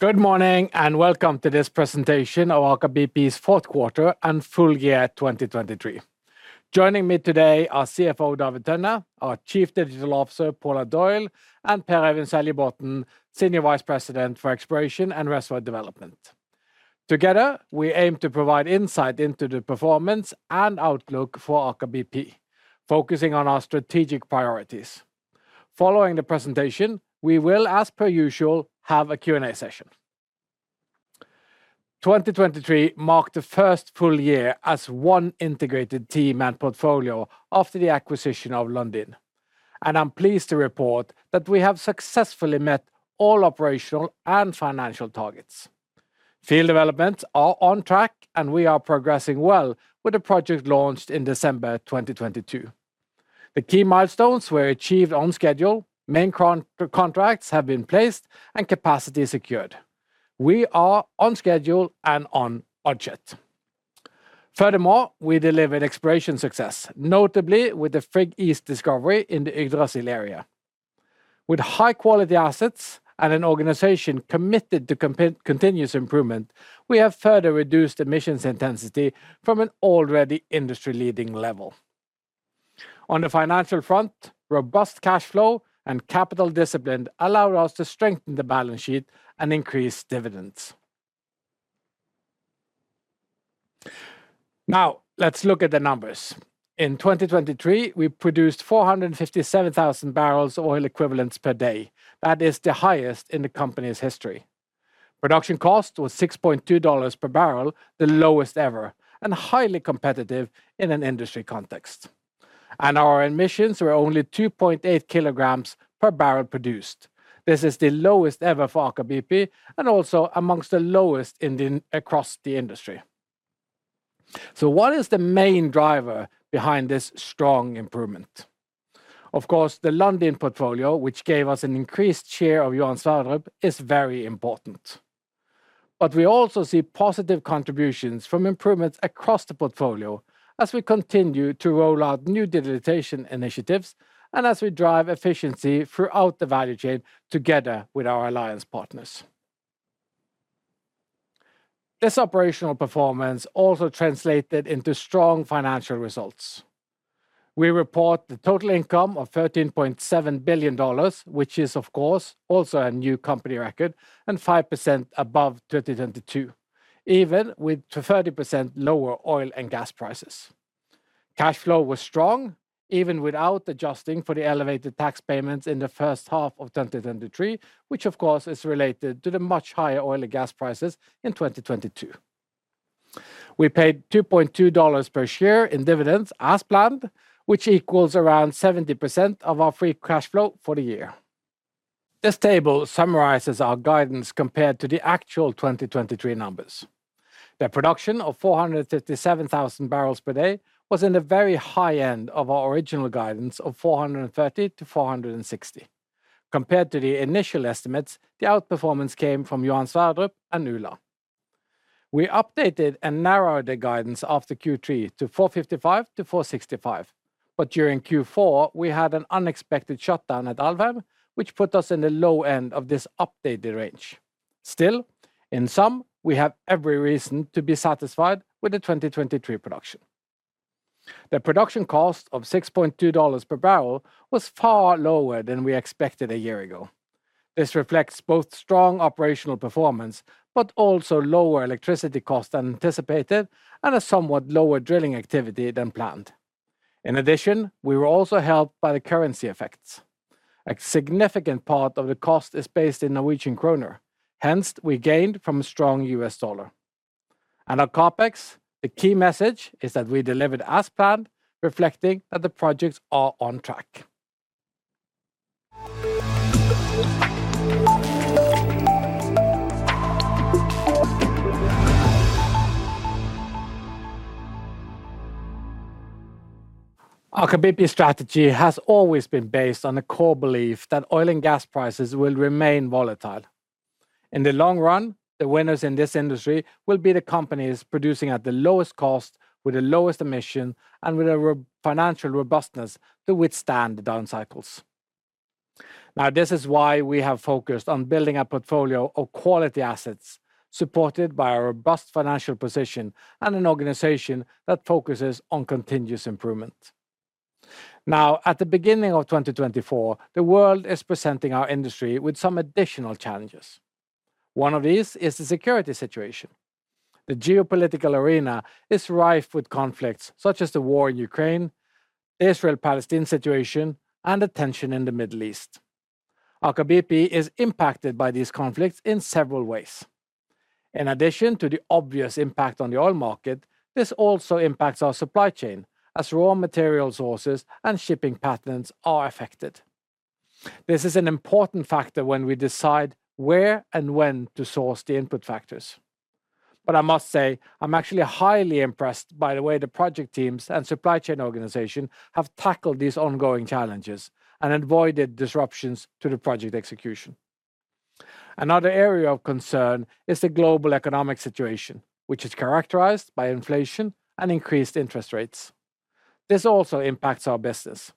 Good morning, and welcome to this presentation of Aker BP's fourth quarter and full year 2023. Joining me today are CFO David Tønne, our Chief Digital Officer Paula Doyle, and Per Øyvind Seljebotn, Senior Vice President for Exploration and Reservoir Development. Together, we aim to provide insight into the performance and outlook for Aker BP, focusing on our strategic priorities. Following the presentation, we will, as per usual, have a Q&A session. 2023 marked the first full year as one integrated team and portfolio after the acquisition of Lundin, and I'm pleased to report that we have successfully met all operational and financial targets. Field developments are on track, and we are progressing well with the project launched in December 2022. The key milestones were achieved on schedule, main contracts have been placed, and capacity secured. We are on schedule and on budget. Furthermore, we delivered exploration success, notably with the Frigg East discovery in the Yggdrasil area. With high-quality assets and an organization committed to continuous improvement, we have further reduced emissions intensity from an already industry-leading level. On the financial front, robust cash flow and capital discipline allowed us to strengthen the balance sheet and increase dividends. Now, let's look at the numbers. In 2023, we produced 457 mboepd. That is the highest in the company's history. Production cost was $6.2 per barrel, the lowest ever, and highly competitive in an industry context. And our emissions were only 2.8 kilograms per barrel produced. This is the lowest ever for Aker BP, and also amongst the lowest in the, across the industry. So what is the main driver behind this strong improvement? Of course, the Lundin portfolio, which gave us an increased share of Johan Sverdrup, is very important. But we also see positive contributions from improvements across the portfolio as we continue to roll out new digitization initiatives and as we drive efficiency throughout the value chain together with our alliance partners. This operational performance also translated into strong financial results. We report the total income of $13.7 billion, which is, of course, also a new company record, and 5% above 2022, even with 20%-30% lower oil and gas prices. Cash flow was strong, even without adjusting for the elevated tax payments in the first half of 2023, which of course, is related to the much higher oil and gas prices in 2022. We paid $2.2 per share in dividends as planned, which equals around 70% of our free cash flow for the year. This table summarizes our guidance compared to the actual 2023 numbers. The production of 457,000 barrels per day was in the very high end of our original guidance of 430-460. Compared to the initial estimates, the outperformance came from Johan Sverdrup and Ula. We updated and narrowed the guidance after Q3 to 455-465, but during Q4, we had an unexpected shutdown at Alvheim, which put us in the low end of this updated range. Still, in sum, we have every reason to be satisfied with the 2023 production. The production cost of $6.2 per barrel was far lower than we expected a year ago. This reflects both strong operational performance, but also lower electricity costs than anticipated and a somewhat lower drilling activity than planned. In addition, we were also helped by the currency effects. A significant part of the cost is based in Norwegian kroner, hence, we gained from a strong US dollar. Our CapEx, the key message is that we delivered as planned, reflecting that the projects are on track. Aker BP's strategy has always been based on the core belief that oil and gas prices will remain volatile. In the long run, the winners in this industry will be the companies producing at the lowest cost, with the lowest emission, and with a robust financial robustness to withstand the down cycles. Now, this is why we have focused on building a portfolio of quality assets, supported by a robust financial position and an organization that focuses on continuous improvement. Now, at the beginning of 2024, the world is presenting our industry with some additional challenges. One of these is the security situation. The geopolitical arena is rife with conflicts, such as the war in Ukraine, the Israel-Palestine situation, and the tension in the Middle East. Aker BP is impacted by these conflicts in several ways. In addition to the obvious impact on the oil market, this also impacts our supply chain as raw material sources and shipping patterns are affected. This is an important factor when we decide where and when to source the input factors. But I must say, I'm actually highly impressed by the way the project teams and supply chain organization have tackled these ongoing challenges and avoided disruptions to the project execution. Another area of concern is the global economic situation, which is characterized by inflation and increased interest rates. This also impacts our business.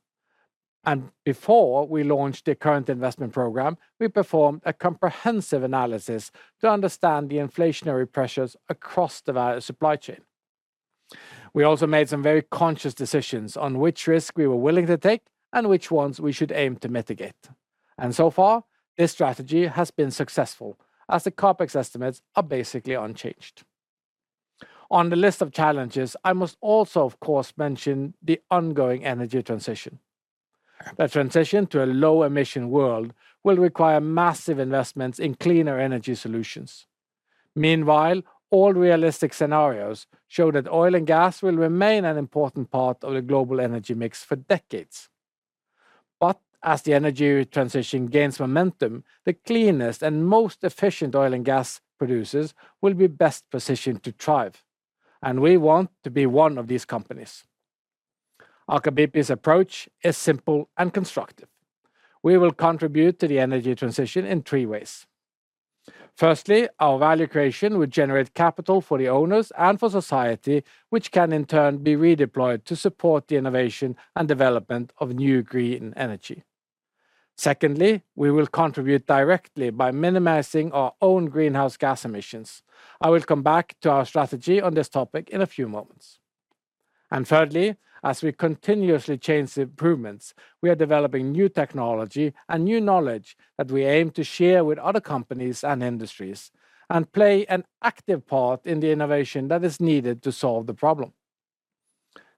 Before we launched the current investment program, we performed a comprehensive analysis to understand the inflationary pressures across the value supply chain. We also made some very conscious decisions on which risk we were willing to take and which ones we should aim to mitigate. So far, this strategy has been successful, as the CapEx estimates are basically unchanged. On the list of challenges, I must also, of course, mention the ongoing energy transition. The transition to a low-emission world will require massive investments in cleaner energy solutions. Meanwhile, all realistic scenarios show that oil and gas will remain an important part of the global energy mix for decades. But as the energy transition gains momentum, the cleanest and most efficient oil and gas producers will be best positioned to thrive, and we want to be one of these companies. Aker BP's approach is simple and constructive. We will contribute to the energy transition in three ways. Firstly, our value creation will generate capital for the owners and for society, which can in turn be redeployed to support the innovation and development of new green energy. Secondly, we will contribute directly by minimizing our own greenhouse gas emissions. I will come back to our strategy on this topic in a few moments. Thirdly, as we continuously chase improvements, we are developing new technology and new knowledge that we aim to share with other companies and industries, and play an active part in the innovation that is needed to solve the problem.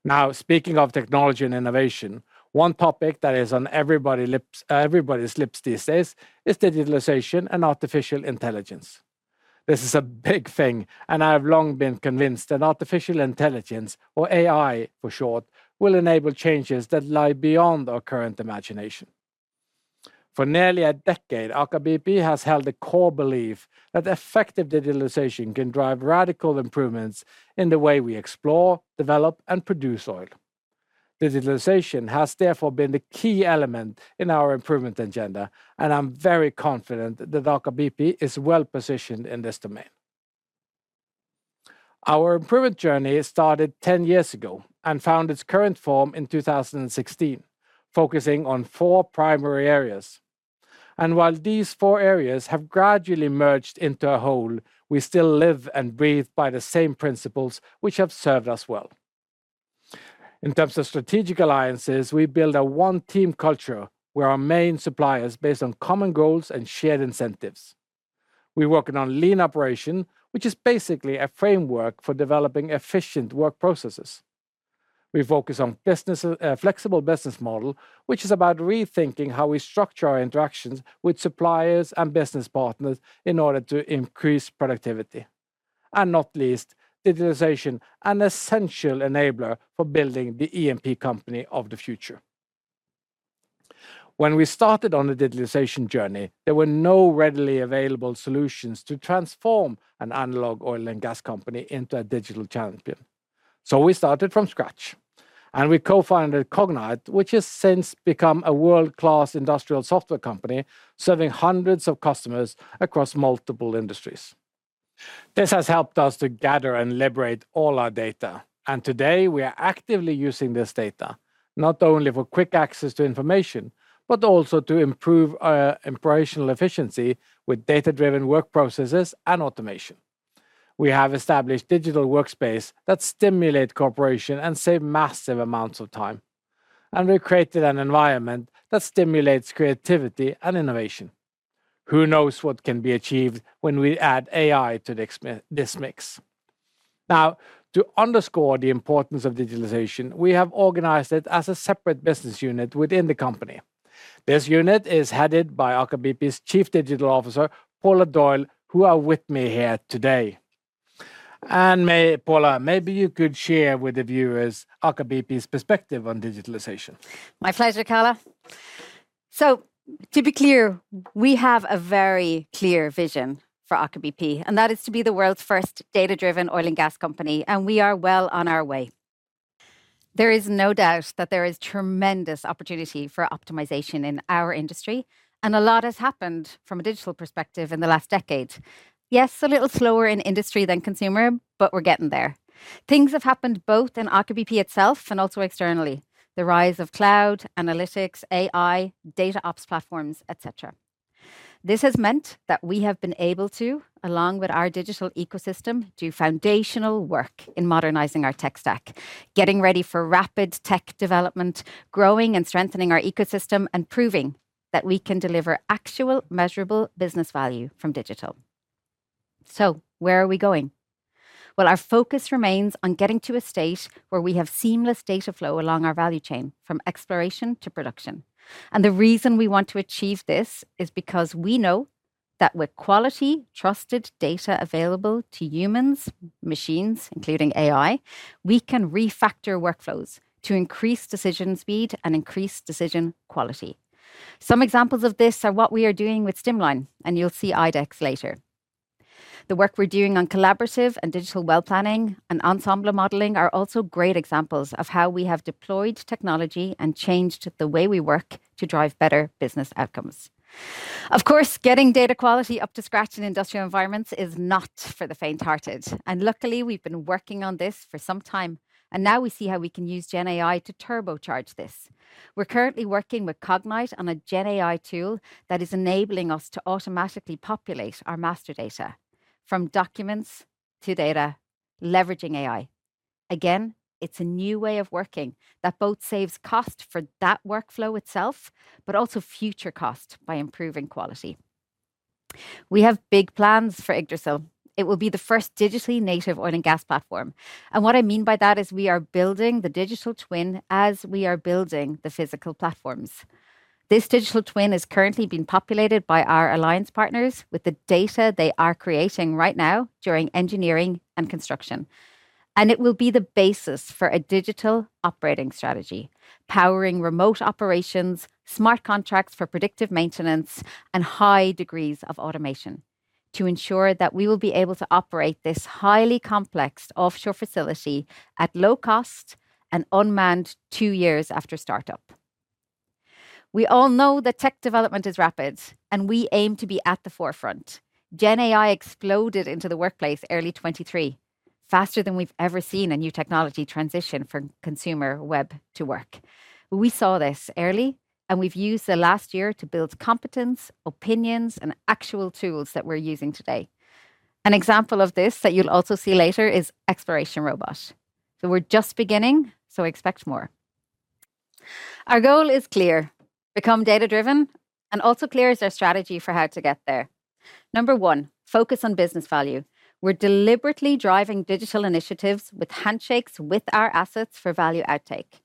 Now, speaking of technology and innovation, one topic that is on everybody's lips these days is digitalization and artificial intelligence. This is a big thing, and I have long been convinced that artificial intelligence, or AI for short, will enable changes that lie beyond our current imagination. For nearly a decade, Aker BP has held the core belief that effective digitalization can drive radical improvements in the way we explore, develop, and produce oil. Digitalization has therefore been the key element in our improvement agenda, and I'm very confident that Aker BP is well-positioned in this domain. Our improvement journey started 10 years ago and found its current form in 2016, focusing on 4 primary areas. And while these 4 areas have gradually merged into a whole, we still live and breathe by the same principles which have served us well. In terms of strategic alliances, we build a one-team culture, where our main supplier is based on common goals and shared incentives. We're working on lean operation, which is basically a framework for developing efficient work processes. We focus on business, flexible business model, which is about rethinking how we structure our interactions with suppliers and business partners in order to increase productivity. And not least, digitalization, an essential enabler for building the EMP company of the future. When we started on the digitalization journey, there were no readily available solutions to transform an analog oil and gas company into a digital champion, so we started from scratch. And we co-founded Cognite, which has since become a world-class industrial software company, serving hundreds of customers across multiple industries. This has helped us to gather and liberate all our data, and today, we are actively using this data, not only for quick access to information, but also to improve our operational efficiency with data-driven work processes and automation. We have established digital workspace that stimulate cooperation and save massive amounts of time, and we've created an environment that stimulates creativity and innovation. Who knows what can be achieved when we add AI to this mix? Now, to underscore the importance of digitalization, we have organized it as a separate business unit within the company. This unit is headed by Aker BP's Chief Digital Officer, Paula Doyle, who are with me here today. Paula, maybe you could share with the viewers Aker BP's perspective on digitalization. My pleasure, Karl. So to be clear, we have a very clear vision for Aker BP, and that is to be the world's first data-driven oil and gas company, and we are well on our way. There is no doubt that there is tremendous opportunity for optimization in our industry, and a lot has happened from a digital perspective in the last decade. Yes, a little slower in industry than consumer, but we're getting there. Things have happened both in Aker BP itself and also externally: the rise of cloud, analytics, AI, DataOps platforms, et cetera. This has meant that we have been able to, along with our digital ecosystem, do foundational work in modernizing our tech stack, getting ready for rapid tech development, growing and strengthening our ecosystem, and proving that we can deliver actual, measurable business value from digital. So where are we going? Well, our focus remains on getting to a state where we have seamless data flow along our value chain, from exploration to production. The reason we want to achieve this is because we know that with quality, trusted data available to humans, machines, including AI, we can refactor workflows to increase decision speed and increase decision quality. Some examples of this are what we are doing with Stimline, and you'll see IDEX later. The work we're doing on collaborative and digital well planning and ensemble modeling are also great examples of how we have deployed technology and changed the way we work to drive better business outcomes. Of course, getting data quality up to scratch in industrial environments is not for the faint-hearted, and luckily, we've been working on this for some time, and now we see how we can use GenAI to turbocharge this. We're currently working with Cognite on a GenAI tool that is enabling us to automatically populate our master data, from documents to data, leveraging AI. Again, it's a new way of working that both saves cost for that workflow itself, but also future cost by improving quality. We have big plans for Yggdrasil. It will be the first digitally native oil and gas platform, and what I mean by that is we are building the digital twin as we are building the physical platforms. This digital twin is currently being populated by our alliance partners with the data they are creating right now during engineering and construction, and it will be the basis for a digital operating strategy, powering remote operations, smart contracts for predictive maintenance, and high degrees of automation to ensure that we will be able to operate this highly complex offshore facility at low cost and unmanned two years after startup. We all know that tech development is rapid, and we aim to be at the forefront. GenAI exploded into the workplace early 2023, faster than we've ever seen a new technology transition from consumer web to work. We saw this early, and we've used the last year to build competence, opinions, and actual tools that we're using today. An example of this that you'll also see later is Exploration Robot. So we're just beginning, so expect more. Our goal is clear: become data-driven, and also clear is our strategy for how to get there. Number one, focus on business value. We're deliberately driving digital initiatives with handshakes with our assets for value outtake.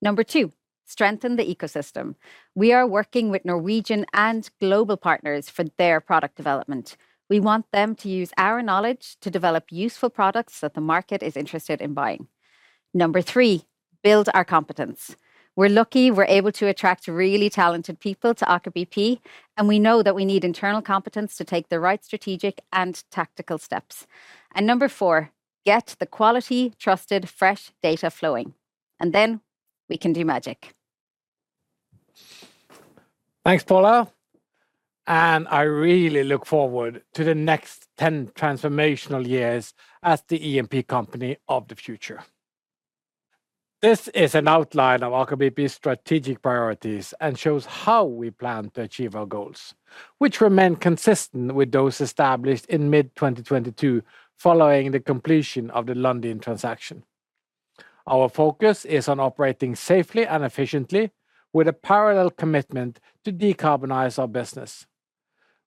Number two, strengthen the ecosystem. We are working with Norwegian and global partners for their product development. We want them to use our knowledge to develop useful products that the market is interested in buying. Number three, build our competence. We're lucky we're able to attract really talented people to Aker BP, and we know that we need internal competence to take the right strategic and tactical steps. And number four, get the quality, trusted, fresh data flowing, and then we can do magic. Thanks, Paula, and I really look forward to the next 10 transformational years as the E&P company of the future. This is an outline of Aker BP's strategic priorities and shows how we plan to achieve our goals, which remain consistent with those established in mid-2022, following the completion of the Lundin transaction. Our focus is on operating safely and efficiently with a parallel commitment to decarbonize our business.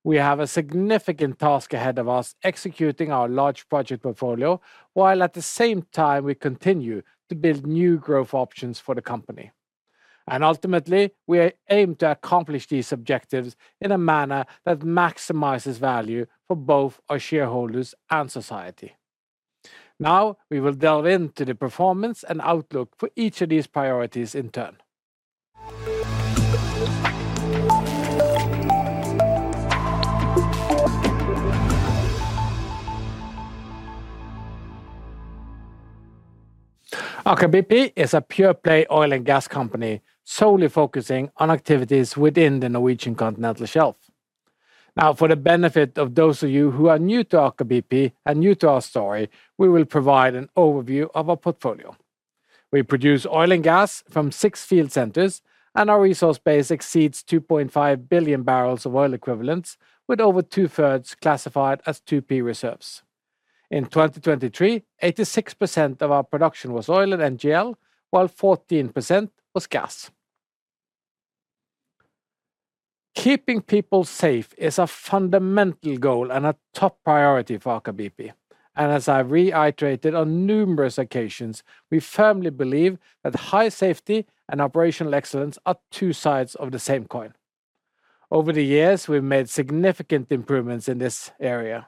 We have a significant task ahead of us, executing our large project portfolio, while at the same time, we continue to build new growth options for the company. And ultimately, we aim to accomplish these objectives in a manner that maximizes value for both our shareholders and society. Now, we will delve into the performance and outlook for each of these priorities in turn. Aker BP is a pure-play oil and gas company, solely focusing on activities within the Norwegian Continental Shelf. Now, for the benefit of those of you who are new to Aker BP and new to our story, we will provide an overview of our portfolio. We produce oil and gas from 6 field centers, and our resource base exceeds 2.5 billion barrels of oil equivalents, with over two-thirds classified as 2P reserves. In 2023, 86% of our production was oil and NGL, while 14% was gas. Keeping people safe is a fundamental goal and a top priority for Aker BP, and as I've reiterated on numerous occasions, we firmly believe that high safety and operational excellence are two sides of the same coin. Over the years, we've made significant improvements in this area,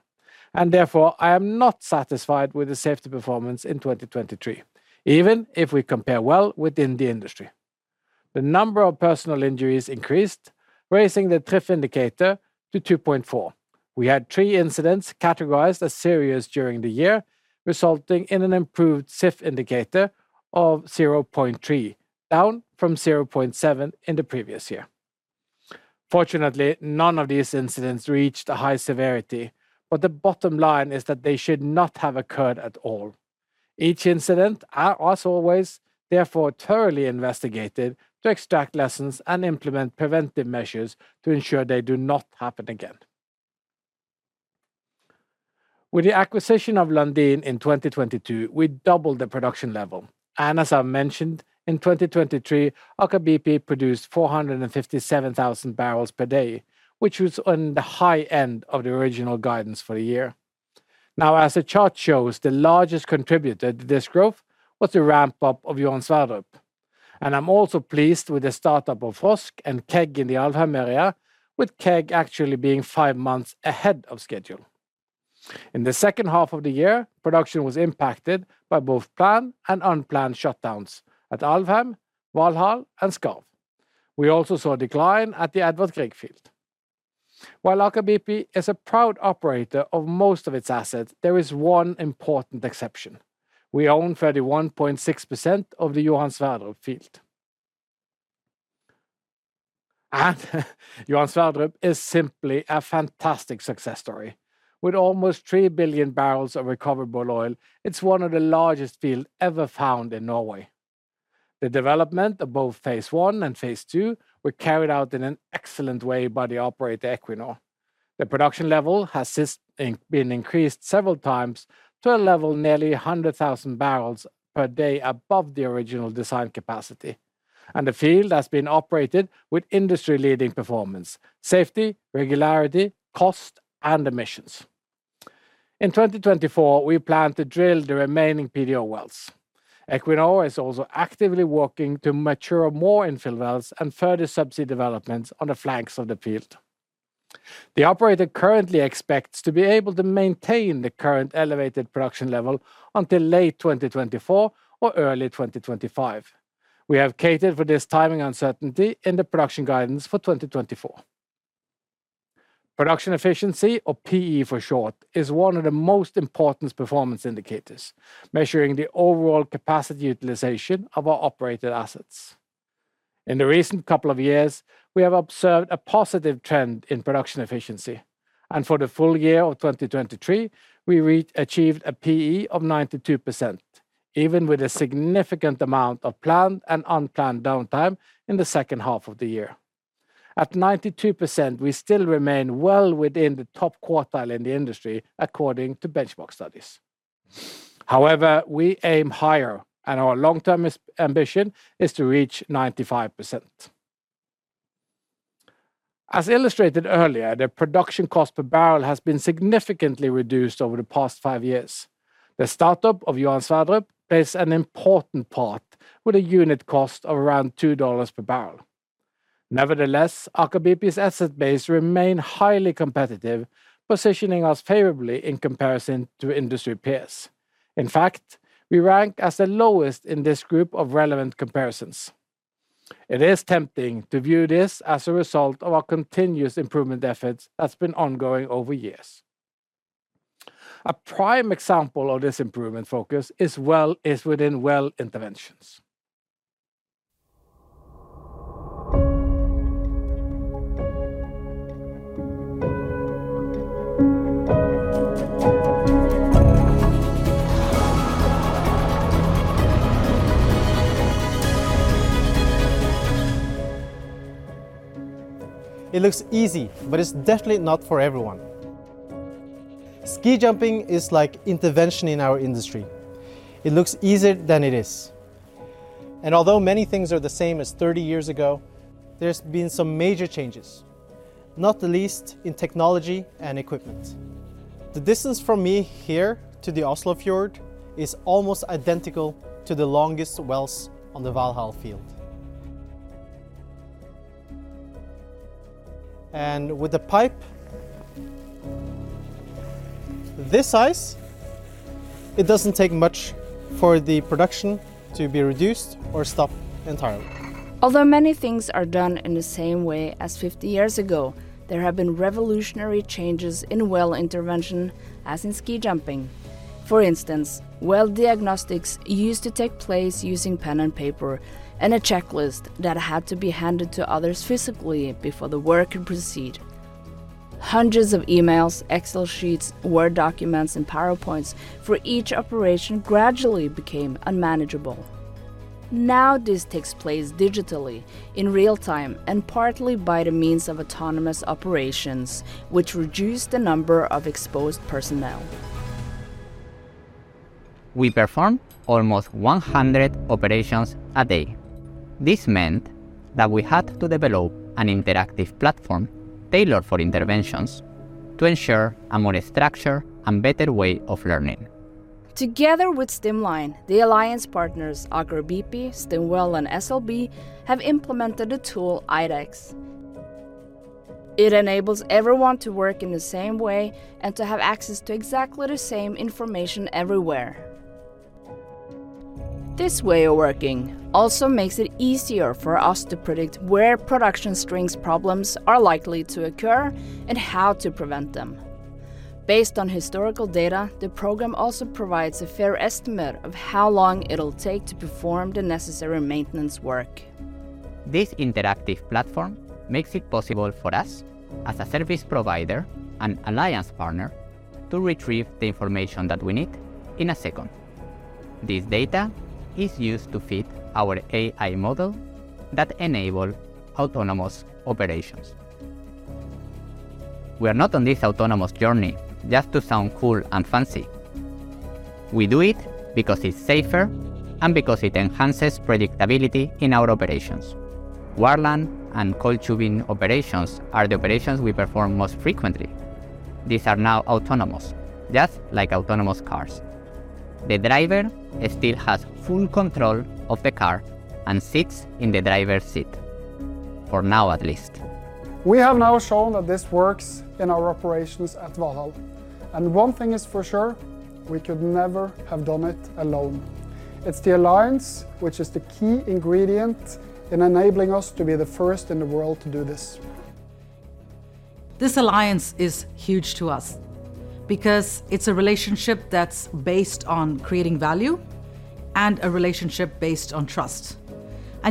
and therefore, I am not satisfied with the safety performance in 2023, even if we compare well within the industry. The number of personal injuries increased, raising the TRIF indicator to 2.4. We had three incidents categorized as serious during the year, resulting in an improved SIF indicator of 0.3, down from 0.7 in the previous year. Fortunately, none of these incidents reached a high severity, but the bottom line is that they should not have occurred at all. Each incident, as always, therefore, thoroughly investigated to extract lessons and implement preventive measures to ensure they do not happen again. With the acquisition of Lundin in 2022, we doubled the production level, and as I mentioned, in 2023, Aker BP produced 457,000 barrels per day, which was on the high end of the original guidance for the year. Now, as the chart shows, the largest contributor to this growth was the ramp-up of Johan Sverdrup, and I'm also pleased with the startup of Frosk and Kegg in the Alvheim area, with Kegg actually being 5 months ahead of schedule. In the second half of the year, production was impacted by both planned and unplanned shutdowns at Alvheim, Valhall, and Skarv. We also saw a decline at the Edvard Grieg field. While Aker BP is a proud operator of most of its assets, there is one important exception. We own 31.6% of the Johan Sverdrup field. Johan Sverdrup is simply a fantastic success story. With almost 3 billion barrels of recoverable oil, it's one of the largest field ever found in Norway. The development of both phase one and phase two were carried out in an excellent way by the operator, Equinor. The production level has since been increased several times to a level nearly 100,000 barrels per day above the original design capacity, and the field has been operated with industry-leading performance, safety, regularity, cost, and emissions. In 2024, we plan to drill the remaining PDO wells. Equinor is also actively working to mature more infill wells and further subsea developments on the flanks of the field. The operator currently expects to be able to maintain the current elevated production level until late 2024 or early 2025. We have catered for this timing uncertainty in the production guidance for 2024. Production efficiency, or PE for short, is one of the most important performance indicators, measuring the overall capacity utilization of our operated assets. In the recent couple of years, we have observed a positive trend in production efficiency, and for the full year of 2023, we achieved a PE of 92%, even with a significant amount of planned and unplanned downtime in the second half of the year. At 92%, we still remain well within the top quartile in the industry, according to benchmark studies. However, we aim higher, and our long-term ambition is to reach 95%. As illustrated earlier, the production cost per barrel has been significantly reduced over the past five years. The startup of Johan Sverdrup plays an important part with a unit cost of around $2 per barrel. Nevertheless, Aker BP's asset base remain highly competitive, positioning us favorably in comparison to industry peers. In fact, we rank as the lowest in this group of relevant comparisons. It is tempting to view this as a result of our continuous improvement efforts that's been ongoing over years. A prime example of this improvement focus is within well interventions. It looks easy, but it's definitely not for everyone. Ski jumping is like intervention in our industry. It looks easier than it is, and although many things are the same as 30 years ago, there's been some major changes, not the least in technology and equipment. The distance from me here to the Oslo Fjord is almost identical to the longest wells on the Valhall field. With a pipe this size, it doesn't take much for the production to be reduced or stopped entirely. Although many things are done in the same way as 50 years ago, there have been revolutionary changes in well intervention, as in ski jumping. For instance, well diagnostics used to take place using pen and paper and a checklist that had to be handed to others physically before the work could proceed. Hundreds of emails, Excel sheets, Word documents, and PowerPoints for each operation gradually became unmanageable. Now, this takes place digitally in real time, and partly by the means of autonomous operations, which reduce the number of exposed personnel. We perform almost 100 operations a day. This meant that we had to develop an interactive platform tailored for interventions to ensure a more structured and better way of learning. Together with Stimline, the alliance partners Aker BP, Stimwell, and SLB have implemented a tool, IDEX. It enables everyone to work in the same way and to have access to exactly the same information everywhere. This way of working also makes it easier for us to predict where production strings problems are likely to occur and how to prevent them. Based on historical data, the program also provides a fair estimate of how long it'll take to perform the necessary maintenance work. This interactive platform makes it possible for us, as a service provider and alliance partner, to retrieve the information that we need in a second. This data is used to feed our AI model that enable autonomous operations. We are not on this autonomous journey just to sound cool and fancy. We do it because it's safer and because it enhances predictability in our operations. Wireline and coiled tubing operations are the operations we perform most frequently. These are now autonomous, just like autonomous cars. The driver still has full control of the car and sits in the driver's seat, for now at least. We have now shown that this works in our operations at Valhall, and one thing is for sure, we could never have done it alone. It's the alliance which is the key ingredient in enabling us to be the first in the world to do this. This alliance is huge to us because it's a relationship that's based on creating value and a relationship based on trust.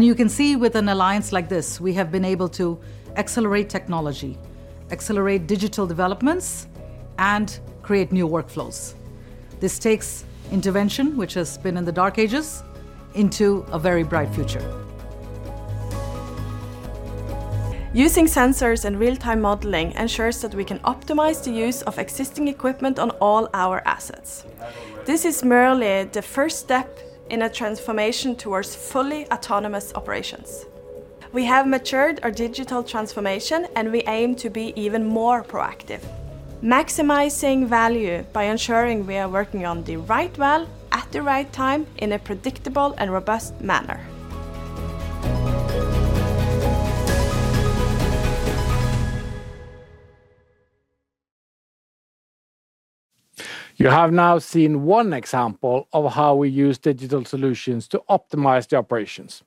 You can see with an alliance like this, we have been able to accelerate technology, accelerate digital developments, and create new workflows. This takes intervention, which has been in the dark ages, into a very bright future. Using sensors and real-time modeling ensures that we can optimize the use of existing equipment on all our assets. This is merely the first step in a transformation towards fully autonomous operations. We have matured our digital transformation, and we aim to be even more proactive, maximizing value by ensuring we are working on the right well at the right time in a predictable and robust manner. You have now seen one example of how we use digital solutions to optimize the operations,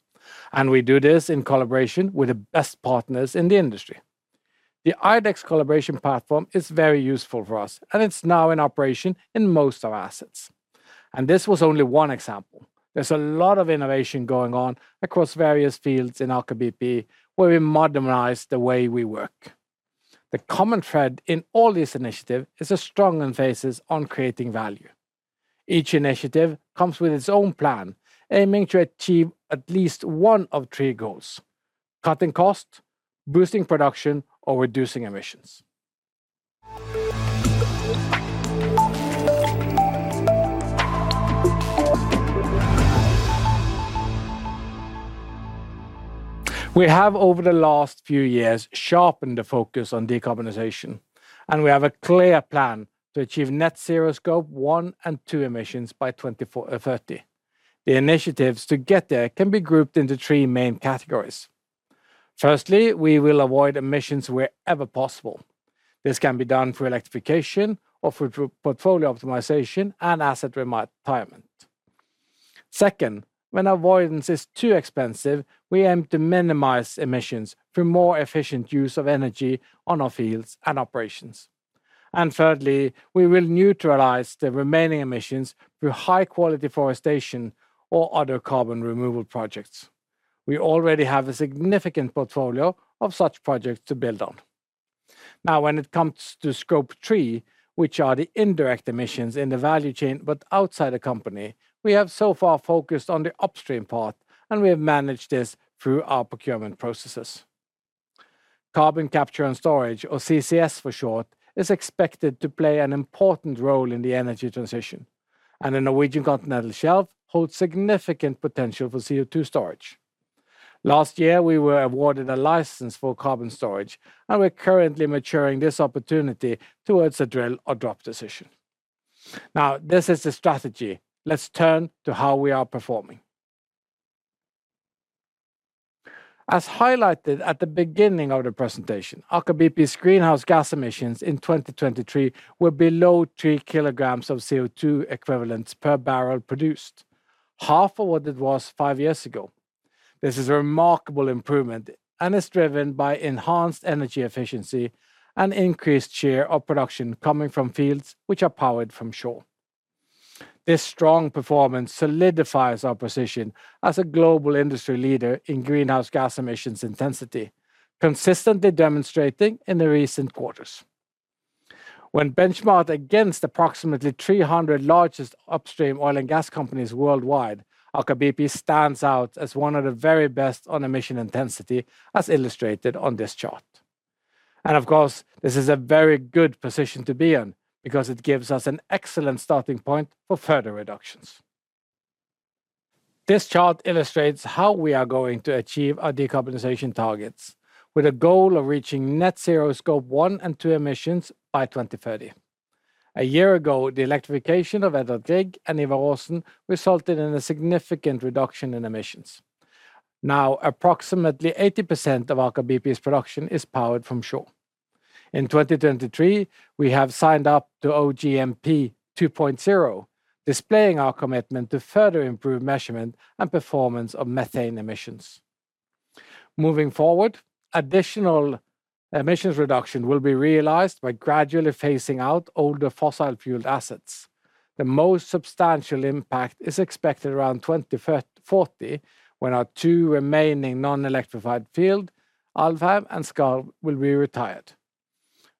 and we do this in collaboration with the best partners in the industry. The IDEX collaboration platform is very useful for us, and it's now in operation in most of our assets. This was only one example. There's a lot of innovation going on across various fields in Aker BP, where we modernize the way we work. The common thread in all these initiatives is a strong emphasis on creating value. Each initiative comes with its own plan, aiming to achieve at least one of three goals: cutting costs, boosting production, or reducing emissions. We have, over the last few years, sharpened the focus on decarbonization, and we have a clear plan to achieve net zero Scope 1 and 2 emissions by 2030. The initiatives to get there can be grouped into three main categories. Firstly, we will avoid emissions wherever possible. This can be done through electrification or through portfolio optimization and asset retirement. Second, when avoidance is too expensive, we aim to minimize emissions through more efficient use of energy on our fields and operations. And thirdly, we will neutralize the remaining emissions through high-quality forestation or other carbon removal projects. We already have a significant portfolio of such projects to build on. Now, when it comes to Scope 3, which are the indirect emissions in the value chain but outside the company, we have so far focused on the upstream part, and we have managed this through our procurement processes. Carbon capture and storage, or CCS for short, is expected to play an important role in the energy transition, and the Norwegian Continental Shelf holds significant potential for CO2 storage. Last year, we were awarded a license for carbon storage, and we're currently maturing this opportunity towards a drill or drop decision. Now, this is the strategy. Let's turn to how we are performing. As highlighted at the beginning of the presentation, Aker BP's greenhouse gas emissions in 2023 were below 3 kilograms of CO2 equivalents per barrel produced, half of what it was 5 years ago. This is a remarkable improvement and is driven by enhanced energy efficiency and increased share of production coming from fields which are powered from shore. This strong performance solidifies our position as a global industry leader in greenhouse gas emissions intensity, consistently demonstrating in the recent quarters. When benchmarked against approximately 300 largest upstream oil and gas companies worldwide, Aker BP stands out as one of the very best on emission intensity, as illustrated on this chart. Of course, this is a very good position to be in because it gives us an excellent starting point for further reductions. This chart illustrates how we are going to achieve our decarbonization targets, with a goal of reaching net zero Scope 1 and 2 emissions by 2030. A year ago, the electrification of Edvard Grieg and Ivar Aasen resulted in a significant reduction in emissions. Now, approximately 80% of Aker BP's production is powered from shore. In 2023, we have signed up to OGMP 2.0, displaying our commitment to further improve measurement and performance of methane emissions. Moving forward, additional emissions reduction will be realized by gradually phasing out older fossil-fueled assets. The most substantial impact is expected around 2040, when our 2 remaining non-electrified field, Alvheim and Skarv, will be retired.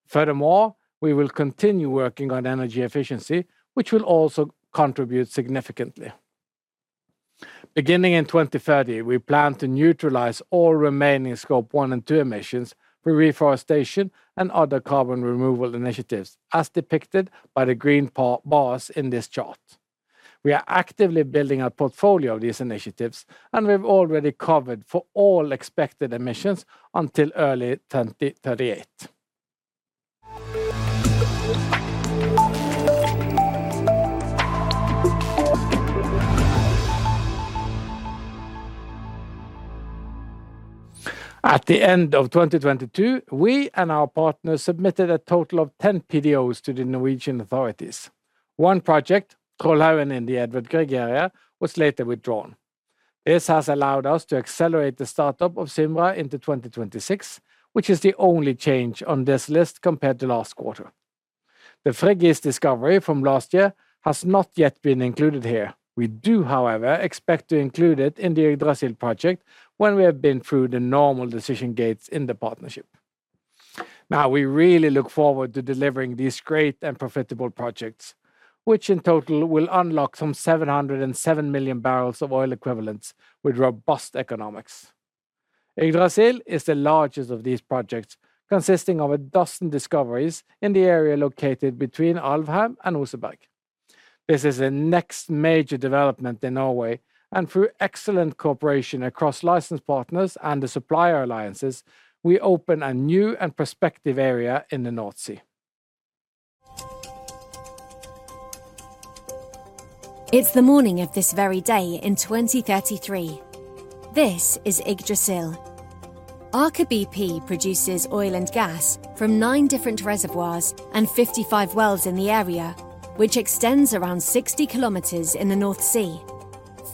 Furthermore, we will continue working on energy efficiency, which will also contribute significantly. Beginning in 2030, we plan to neutralize all remaining Scope 1 and 2 emissions through reforestation and other carbon removal initiatives, as depicted by the green part bars in this chart. We are actively building a portfolio of these initiatives, and we've already covered for all expected emissions until early 2038. At the end of 2022, we and our partners submitted a total of 10 PDOs to the Norwegian authorities. One project, Troldhaugen, in the Edvard Grieg area, was later withdrawn. This has allowed us to accelerate the startup of Symra into 2026, which is the only change on this list compared to last quarter. The Frigg East discovery from last year has not yet been included here. We do, however, expect to include it in the Yggdrasil project when we have been through the normal decision gates in the partnership. Now, we really look forward to delivering these great and profitable projects, which in total will unlock some 707 million barrels of oil equivalents with robust economics. Yggdrasil is the largest of these projects, consisting of a dozen discoveries in the area located between Alvheim and Oseberg. This is the next major development in Norway, and through excellent cooperation across licensed partners and the supplier alliances, we open a new and prospective area in the North Sea. It's the morning of this very day in 2033. This is Yggdrasil. Aker BP produces oil and gas from nine different reservoirs and 55 wells in the area, which extends around 60 km in the North Sea.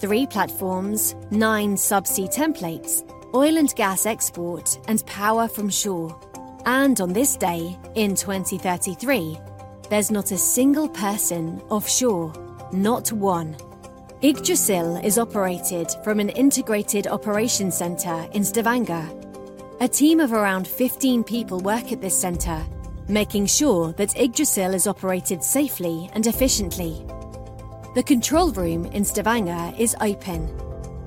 Three platforms, nine subsea templates, oil and gas export, and power from shore. On this day, in 2033, there's not a single person offshore, not one. Yggdrasil is operated from an integrated operation center in Stavanger. A team of around 15 people work at this center, making sure that Yggdrasil is operated safely and efficiently. The control room in Stavanger is open.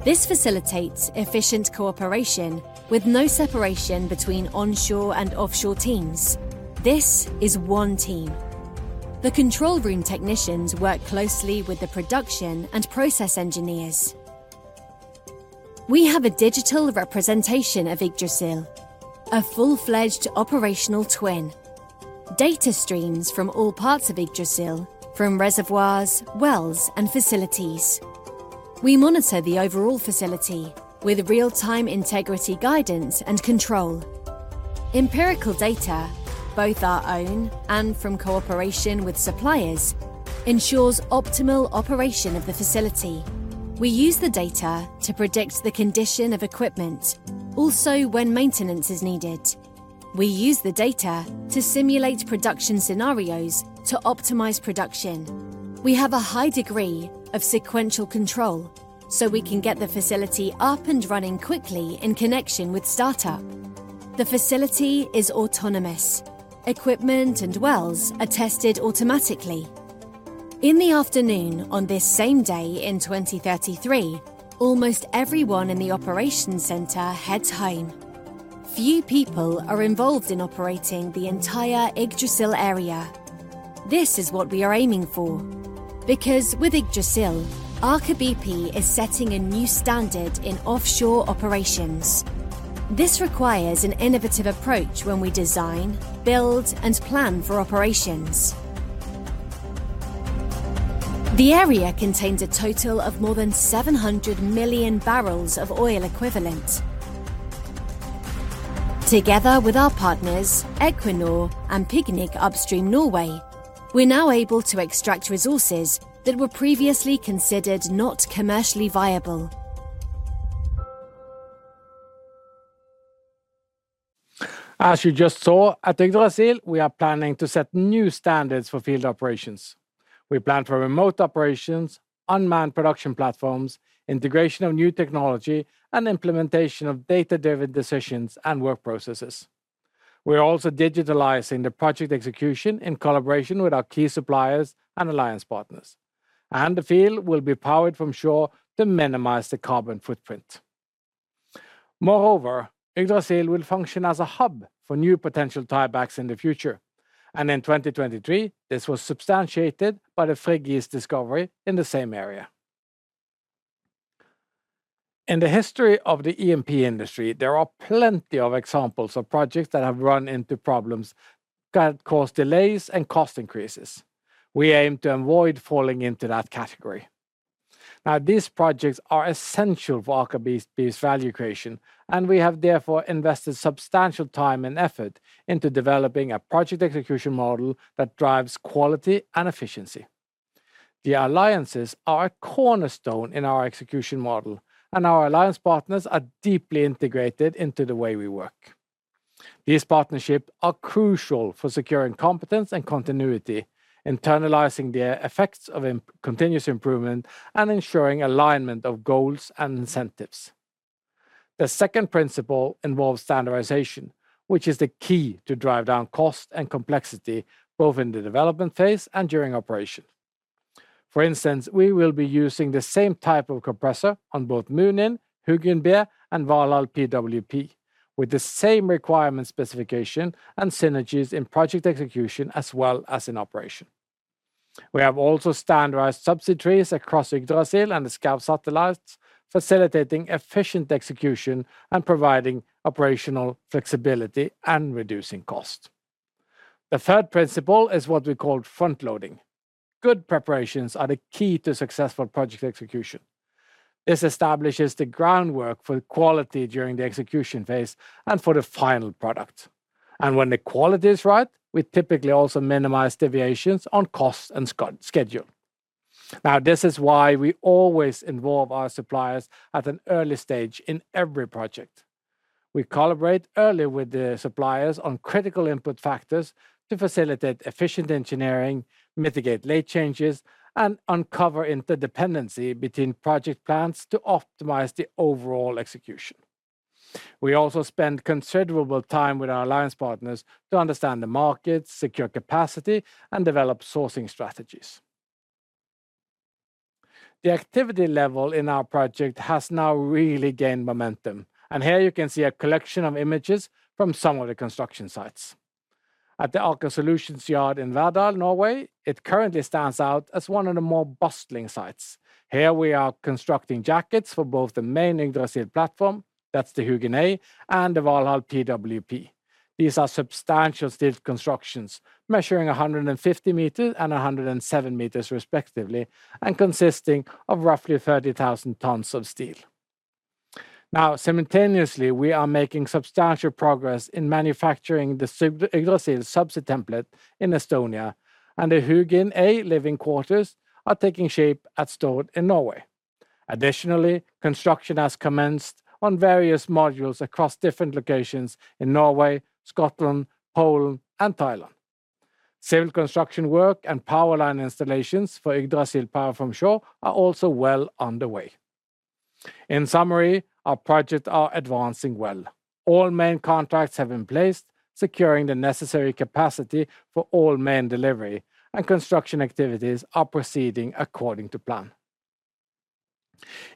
This facilitates efficient cooperation with no separation between onshore and offshore teams. This is one team. The control room technicians work closely with the production and process engineers. We have a digital representation of Yggdrasil, a full-fledged operational twin. Data streams from all parts of Yggdrasil, from reservoirs, wells, and facilities. We monitor the overall facility with real-time integrity, guidance, and control. Empirical data, both our own and from cooperation with suppliers, ensures optimal operation of the facility. We use the data to predict the condition of equipment, also when maintenance is needed. We use the data to simulate production scenarios to optimize production. We have a high degree of sequential control, so we can get the facility up and running quickly in connection with startup. The facility is autonomous. Equipment and wells are tested automatically. In the afternoon, on this same day in 2033, almost everyone in the operation center heads home. Few people are involved in operating the entire Yggdrasil area. This is what we are aiming for, because with Yggdrasil, Aker BP is setting a new standard in offshore operations. This requires an innovative approach when we design, build, and plan for operations. The area contains a total of more than 700 million barrels of oil equivalent. Together with our partners, Equinor and PGNiG Upstream Norway, we're now able to extract resources that were previously considered not commercially viable. As you just saw, at Yggdrasil, we are planning to set new standards for field operations. We plan for remote operations, unmanned production platforms, integration of new technology, and implementation of data-driven decisions and work processes. We are also digitalizing the project execution in collaboration with our key suppliers and alliance partners, and the field will be powered from shore to minimize the carbon footprint. Moreover, Yggdrasil will function as a hub for new potential tie-backs in the future. In 2023, this was substantiated by the Fregi discovery in the same area. In the history of the E&P industry, there are plenty of examples of projects that have run into problems that cause delays and cost increases. We aim to avoid falling into that category. Now, these projects are essential for Aker BP's value creation, and we have therefore invested substantial time and effort into developing a project execution model that drives quality and efficiency. The alliances are a cornerstone in our execution model, and our alliance partners are deeply integrated into the way we work. These partnerships are crucial for securing competence and continuity, internalizing the effects of continuous improvement, and ensuring alignment of goals and incentives. The second principle involves standardization, which is the key to drive down cost and complexity, both in the development phase and during operation. For instance, we will be using the same type of compressor on both Munin, Hugin A, and Valhall PWP, with the same requirement, specification, and synergies in project execution, as well as in operation. We have also standardized subsidiaries across Yggdrasil and the Skarv satellites, facilitating efficient execution and providing operational flexibility and reducing cost. The third principle is what we call frontloading. Good preparations are the key to successful project execution. This establishes the groundwork for quality during the execution phase and for the final product... When the quality is right, we typically also minimize deviations on costs and schedule. Now, this is why we always involve our suppliers at an early stage in every project. We collaborate early with the suppliers on critical input factors to facilitate efficient engineering, mitigate late changes, and uncover interdependency between project plans to optimize the overall execution. We also spend considerable time with our alliance partners to understand the market, secure capacity, and develop sourcing strategies. The activity level in our project has now really gained momentum, and here you can see a collection of images from some of the construction sites. At the Aker Solutions yard in Verdal, Norway, it currently stands out as one of the more bustling sites. Here we are constructing jackets for both the main Yggdrasil platform, that's the Hugin A, and the Valhall PWP. These are substantial steel constructions measuring 150 meters and 107 meters respectively, and consisting of roughly 30,000 tons of steel. Now, simultaneously, we are making substantial progress in manufacturing the Yggdrasil subsea template in Estonia, and the Hugin A living quarters are taking shape at Stord in Norway. Additionally, construction has commenced on various modules across different locations in Norway, Scotland, Poland, and Thailand. Civil construction work and power line installations for Yggdrasil power from shore are also well underway. In summary, our projects are advancing well. All main contracts have been placed, securing the necessary capacity for all main delivery, and construction activities are proceeding according to plan.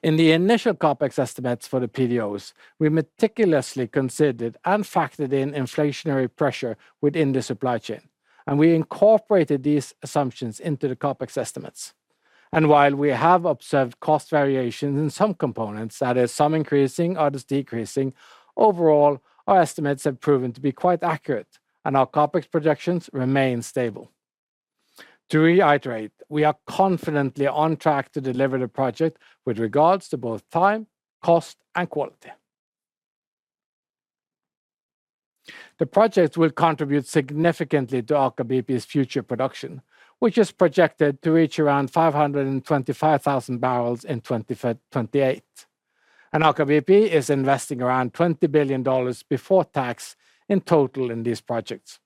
In the initial CapEx estimates for the PDOs, we meticulously considered and factored in inflationary pressure within the supply chain, and we incorporated these assumptions into the CapEx estimates. While we have observed cost variations in some components, that is, some increasing, others decreasing, overall, our estimates have proven to be quite accurate, and our CapEx projections remain stable. To reiterate, we are confidently on track to deliver the project with regards to both time, cost, and quality. The project will contribute significantly to Aker BP's future production, which is projected to reach around 525,000 barrels in 2028. Aker BP is investing around $20 billion before tax in total in these projects.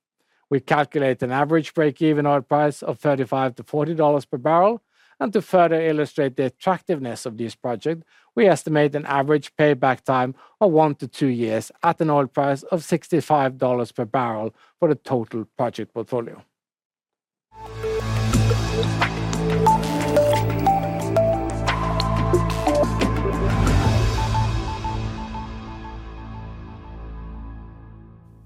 We calculate an average break-even oil price of $35-$40 per barrel. To further illustrate the attractiveness of this project, we estimate an average payback time of 1-2 years at an oil price of $65 per barrel for the total project portfolio.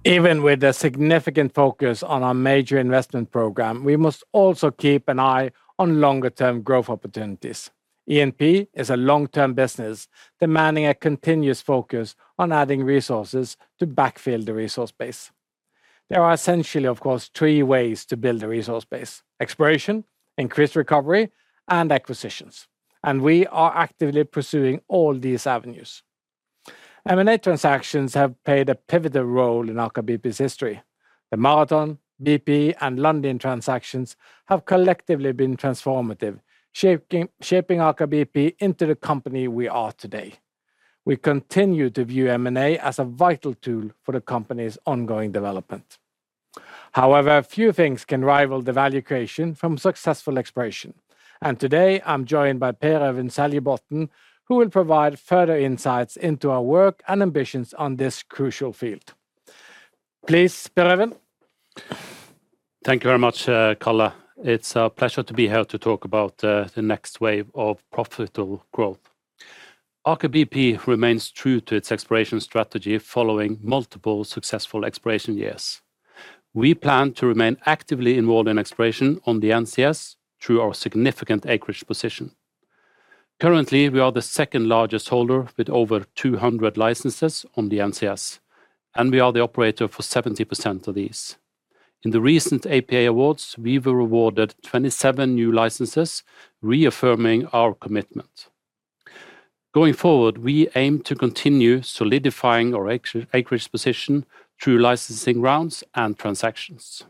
Even with a significant focus on our major investment program, we must also keep an eye on longer term growth opportunities. E&P is a long-term business, demanding a continuous focus on adding resources to backfill the resource base. There are essentially, of course, 3 ways to build a resource base: exploration, increased recovery, and acquisitions, and we are actively pursuing all these avenues. M&A transactions have played a pivotal role in Aker BP's history. The Marathon, BP, and London transactions have collectively been transformative, shaping Aker BP into the company we are today. We continue to view M&A as a vital tool for the company's ongoing development. However, few things can rival the value creation from successful exploration. And today, I'm joined by Per Øyvind Seljebotn, who will provide further insights into our work and ambitions on this crucial field. Please, Per Øyvind. Thank you very much, Karl. It's a pleasure to be here to talk about the next wave of profitable growth. Aker BP remains true to its exploration strategy, following multiple successful exploration years. We plan to remain actively involved in exploration on the NCS through our significant acreage position. Currently, we are the second-largest holder, with over 200 licenses on the NCS, and we are the operator for 70% of these. In the recent APA awards, we were awarded 27 new licenses, reaffirming our commitment. Going forward, we aim to continue solidifying our acreage position through licensing rounds and transactions.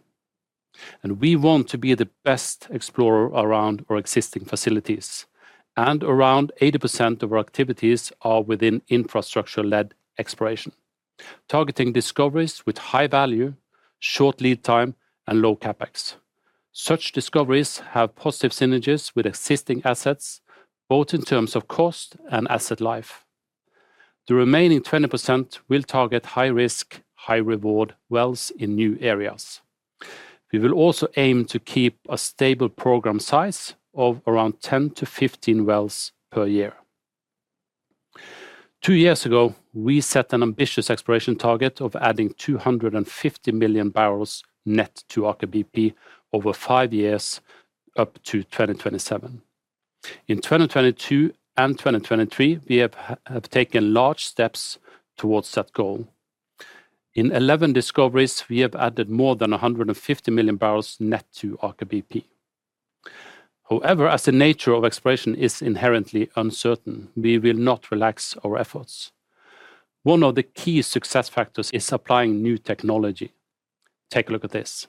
We want to be the best explorer around our existing facilities, and around 80% of our activities are within infrastructure-led exploration, targeting discoveries with high value, short lead time, and low CapEx. Such discoveries have positive synergies with existing assets, both in terms of cost and asset life. The remaining 20% will target high risk, high reward wells in new areas. We will also aim to keep a stable program size of around 10-15 wells per year. Two years ago, we set an ambitious exploration target of adding 250 million barrels net to Aker BP over five years, up to 2027. In 2022 and 2023, we have taken large steps towards that goal. In 11 discoveries, we have added more than 150 million barrels net to Aker BP. However, as the nature of exploration is inherently uncertain, we will not relax our efforts. One of the key success factors is applying new technology. Take a look at this.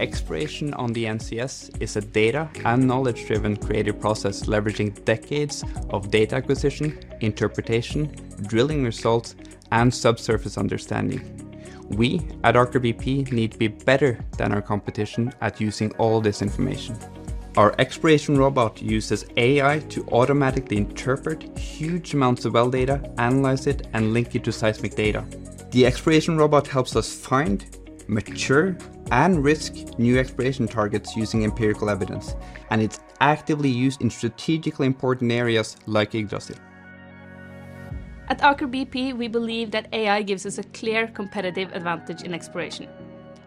Exploration on the NCS is a data and knowledge-driven creative process, leveraging decades of data acquisition, interpretation, drilling results, and subsurface understanding. We at Aker BP need to be better than our competition at using all this information. Our Exploration Robot uses AI to automatically interpret huge amounts of well data, analyze it, and link it to seismic data. The Exploration Robot helps us find, mature, and risk new exploration targets using empirical evidence, and it's actively used in strategically important areas like Yggdrasil. At Aker BP, we believe that AI gives us a clear competitive advantage in exploration,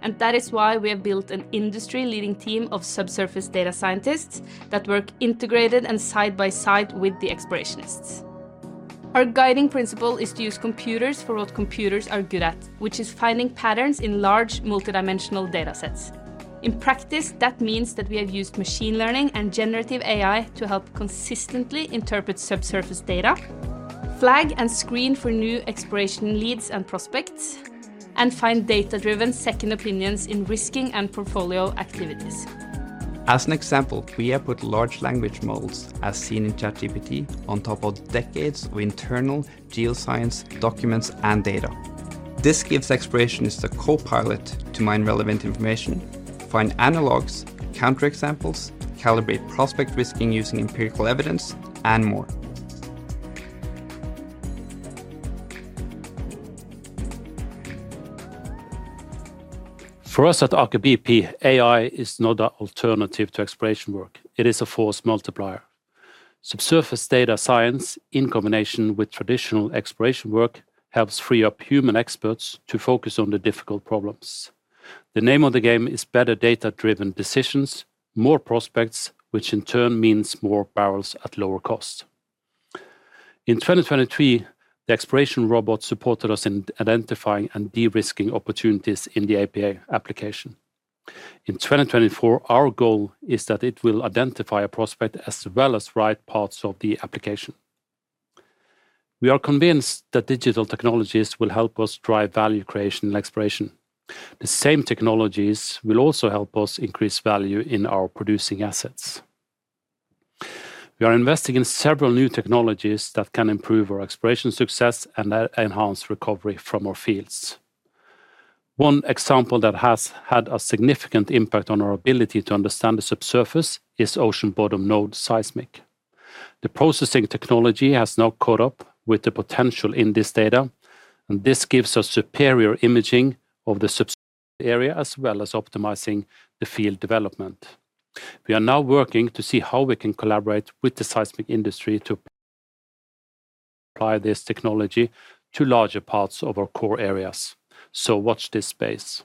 and that is why we have built an industry-leading team of subsurface data scientists that work integrated and side by side with the explorationists. Our guiding principle is to use computers for what computers are good at, which is finding patterns in large, multidimensional data sets. In practice, that means that we have used machine learning and generative AI to help consistently interpret subsurface data, flag and screen for new exploration leads and prospects, and find data-driven second opinions in risking and portfolio activities. As an example, we have put large language models, as seen in ChatGPT, on top of decades of internal geoscience documents and data. This gives explorationists a co-pilot to mine relevant information, find analogs, counter examples, calibrate prospect risking using empirical evidence, and more. For us at Aker BP, AI is not an alternative to exploration work, it is a force multiplier. Subsurface data science, in combination with traditional exploration work, helps free up human experts to focus on the difficult problems. The name of the game is better data-driven decisions, more prospects, which in turn means more barrels at lower cost. In 2023, the Exploration Robot supported us in identifying and de-risking opportunities in the APA application. In 2024, our goal is that it will identify a prospect as well as right parts of the application. We are convinced that digital technologies will help us drive value creation and exploration. The same technologies will also help us increase value in our producing assets. We are investing in several new technologies that can improve our exploration success and enhance recovery from our fields. One example that has had a significant impact on our ability to understand the subsurface is ocean bottom node seismic. The processing technology has now caught up with the potential in this data, and this gives us superior imaging of the sub area, as well as optimizing the field development. We are now working to see how we can collaborate with the seismic industry to apply this technology to larger parts of our core areas. So watch this space.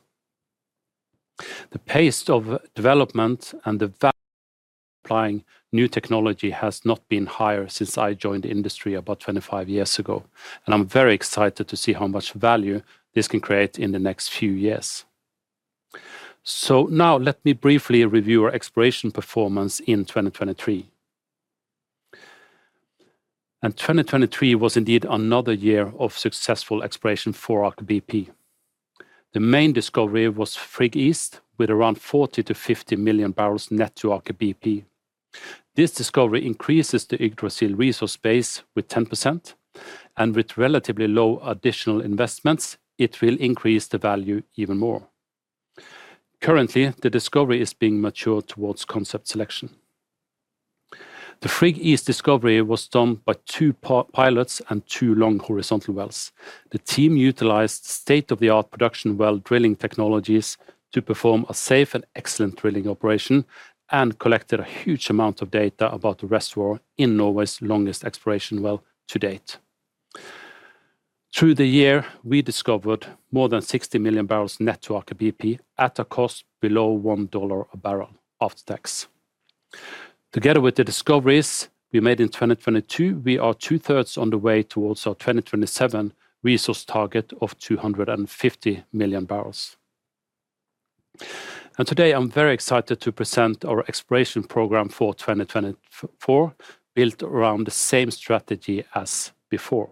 The pace of development and the value applying new technology has not been higher since I joined the industry about 25 years ago, and I'm very excited to see how much value this can create in the next few years. So now let me briefly review our exploration performance in 2023. 2023 was indeed another year of successful exploration for Aker BP. The main discovery was Frigg East, with around 40-50 million barrels net to Aker BP. This discovery increases the Yggdrasil resource base with 10%, and with relatively low additional investments, it will increase the value even more. Currently, the discovery is being matured towards concept selection. The Frigg East discovery was done by two pilot wells and two long horizontal wells. The team utilized state-of-the-art production well drilling technologies to perform a safe and excellent drilling operation, and collected a huge amount of data about the reservoir in Norway's longest exploration well to date. Through the year, we discovered more than 60 million barrels net to Aker BP at a cost below $1/barrel after tax. Together with the discoveries we made in 2022, we are two-thirds on the way towards our 2027 resource target of 250 million barrels. Today, I'm very excited to present our exploration program for 2024, built around the same strategy as before.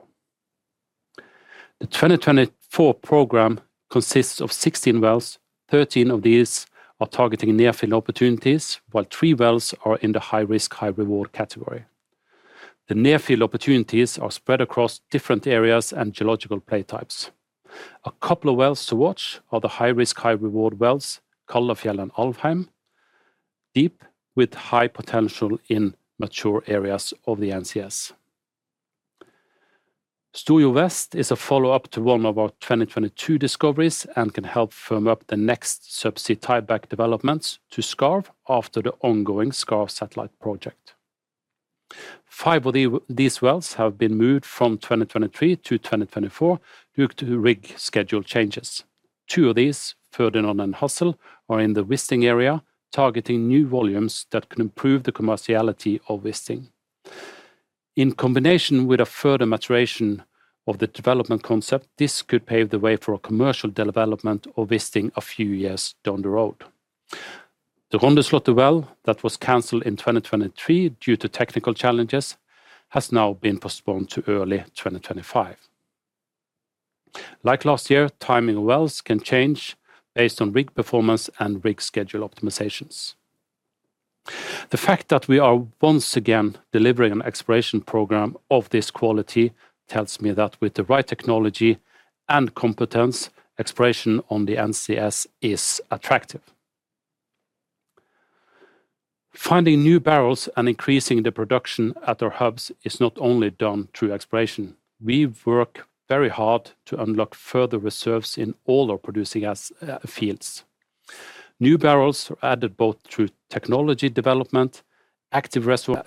The 2024 program consists of 16 wells. Thirteen of these are targeting near-field opportunities, while three wells are in the high-risk, high-reward category. The near-field opportunities are spread across different areas and geological play types. A couple of wells to watch are the high-risk, high-reward wells, Kallfjell and Alvheim, deep with high potential in mature areas of the NCS. Storjo Vest is a follow-up to one of our 2022 discoveries, and can help firm up the next subsea tieback developments to Skarv after the ongoing Skarv Satellite project. Five of these wells have been moved from 2023 to 2024 due to rig schedule changes. Two of these, Ferdinand and Hassel, are in the Wisting area, targeting new volumes that can improve the commerciality of Wisting. In combination with a further maturation of the development concept, this could pave the way for a commercial development or visiting a few years down the road. The Rondeslottet well that was canceled in 2023 due to technical challenges has now been postponed to early 2025. Like last year, timing wells can change based on rig performance and rig schedule optimizations. The fact that we are once again delivering an exploration program of this quality tells me that with the right technology and competence, exploration on the NCS is attractive. Finding new barrels and increasing the production at our hubs is not only done through exploration. We work very hard to unlock further reserves in all our producing fields. New barrels are added both through technology development, active reservoir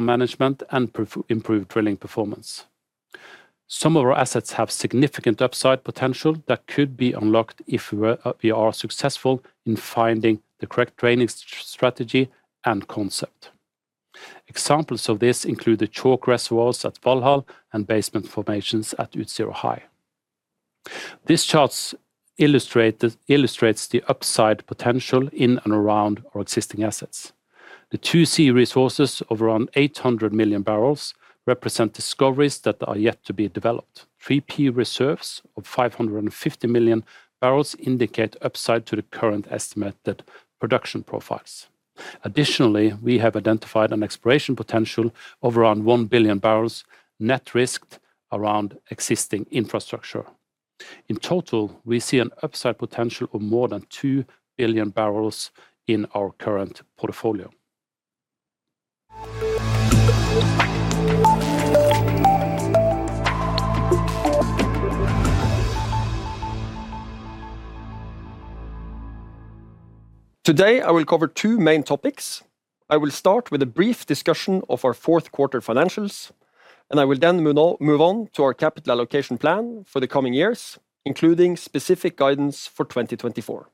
management, and improved drilling performance. Some of our assets have significant upside potential that could be unlocked if we were, we are successful in finding the correct training strategy and concept. Examples of this include the chalk reservoirs at Valhall and basement formations at Utsira High. This chart illustrates the upside potential in and around our existing assets. The 2C resources of around 800 million barrels represent discoveries that are yet to be developed. 3P reserves of 550 million barrels indicate upside to the current estimated production profiles. Additionally, we have identified an exploration potential of around 1 billion barrels, net risked around existing infrastructure. In total, we see an upside potential of more than 2 billion barrels in our current portfolio. Today, I will cover two main topics. I will start with a brief discussion of our fourth quarter financials, and I will then move on, move on to our capital allocation plan for the coming years, including specific guidance for 2024.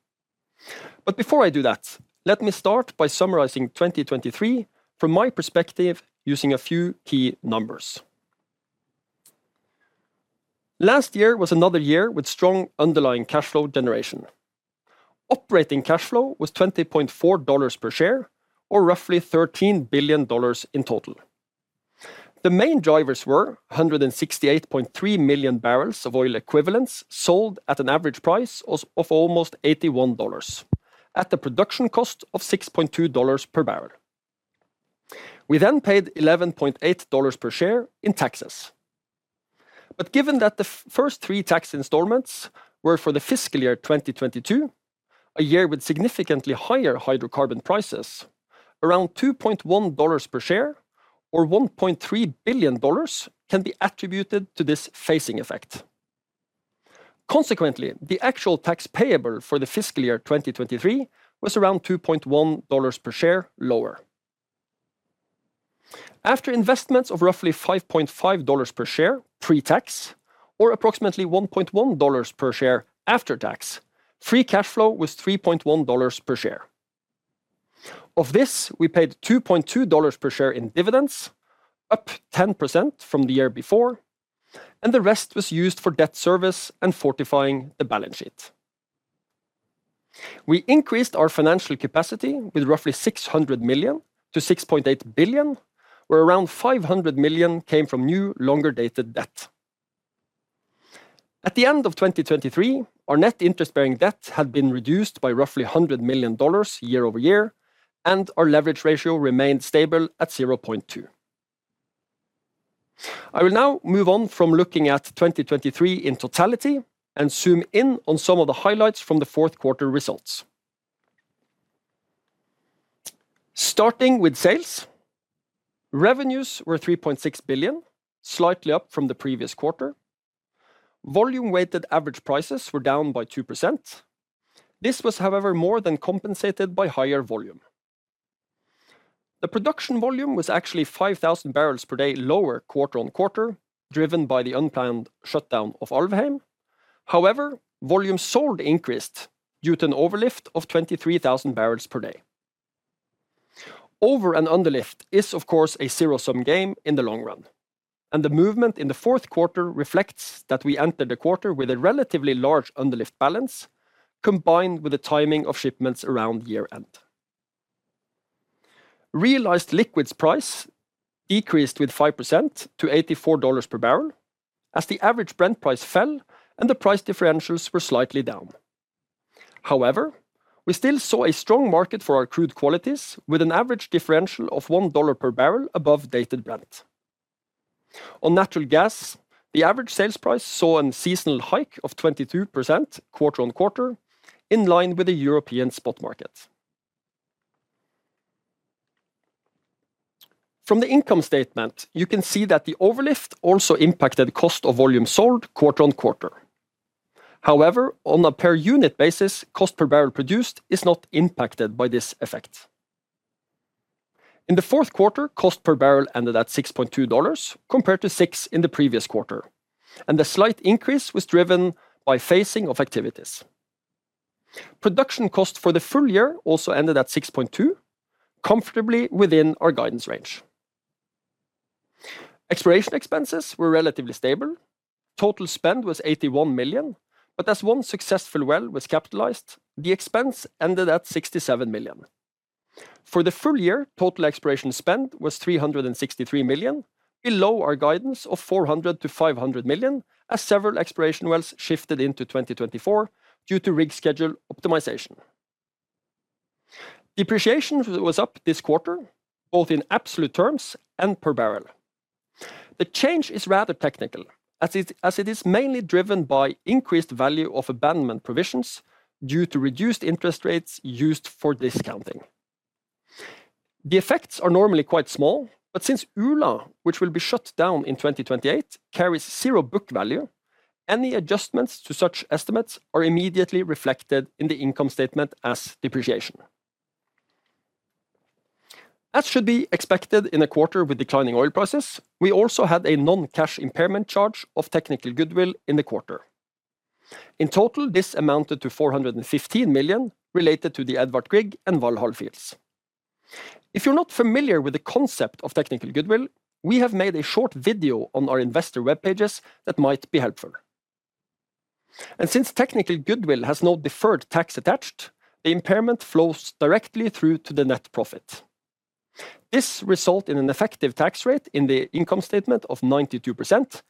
But before I do that, let me start by summarizing 2023 from my perspective, using a few key numbers. Last year was another year with strong underlying cash flow generation. Operating cash flow was $20.4 per share, or roughly $13 billion in total. The main drivers were 168.3 million barrels of oil equivalents, sold at an average price of almost $81, at a production cost of $6.2 per barrel. We then paid $11.8 per share in taxes. But given that the first three tax installments were for the fiscal year 2022, a year with significantly higher hydrocarbon prices, around $2.1 per share, or $1.3 billion can be attributed to this phasing effect. Consequently, the actual tax payable for the fiscal year 2023 was around $2.1 per share lower. After investments of roughly $5.5 per share pre-tax, or approximately $1.1 per share after tax, free cash flow was $3.1 per share. Of this, we paid $2.2 per share in dividends, up 10% from the year before, and the rest was used for debt service and fortifying the balance sheet. We increased our financial capacity with roughly $600 million-$6.8 billion, where around $500 million came from new, longer-dated debt. At the end of 2023, our net interest-bearing debt had been reduced by roughly $100 million year-over-year, and our leverage ratio remained stable at 0.2. I will now move on from looking at 2023 in totality and zoom in on some of the highlights from the fourth quarter results. Starting with sales, revenues were $3.6 billion, slightly up from the previous quarter. Volume-weighted average prices were down by 2%. This was, however, more than compensated by higher volume. The production volume was actually 5,000 barrels per day lower quarter-on-quarter, driven by the unplanned shutdown of Alvheim. However, volume sold increased due to an overlift of 23,000 barrels per day. Over and underlift is, of course, a zero-sum game in the long run, and the movement in the fourth quarter reflects that we entered the quarter with a relatively large underlift balance, combined with the timing of shipments around year-end. Realized liquids price decreased with 5% to $84 per barrel, as the average Brent price fell and the price differentials were slightly down. However, we still saw a strong market for our crude qualities, with an average differential of $1 per barrel above dated Brent. On natural gas, the average sales price saw a seasonal hike of 22% quarter-on-quarter, in line with the European spot market. From the income statement, you can see that the overlift also impacted the cost of volume sold quarter-on-quarter. However, on a per unit basis, cost per barrel produced is not impacted by this effect. In the fourth quarter, cost per barrel ended at $6.2 compared to $6 in the previous quarter, and the slight increase was driven by phasing of activities. Production cost for the full year also ended at $6.2, comfortably within our guidance range. Exploration expenses were relatively stable. Total spend was $81 million, but as one successful well was capitalized, the expense ended at $67 million. For the full year, total exploration spend was $363 million, below our guidance of $400 million-$500 million, as several exploration wells shifted into 2024 due to rig schedule optimization. Depreciation was up this quarter, both in absolute terms and per barrel. The change is rather technical, as it is mainly driven by increased value of abandonment provisions due to reduced interest rates used for discounting. The effects are normally quite small, but since Ula, which will be shut down in 2028, carries zero book value, any adjustments to such estimates are immediately reflected in the income statement as depreciation. As should be expected in a quarter with declining oil prices, we also had a non-cash impairment charge of technical goodwill in the quarter. In total, this amounted to $415 million related to the Edvard Grieg and Valhall fields. If you're not familiar with the concept of technical goodwill, we have made a short video on our investor web pages that might be helpful. Since technical goodwill has no deferred tax attached, the impairment flows directly through to the net profit. This result in an effective tax rate in the income statement of 92%,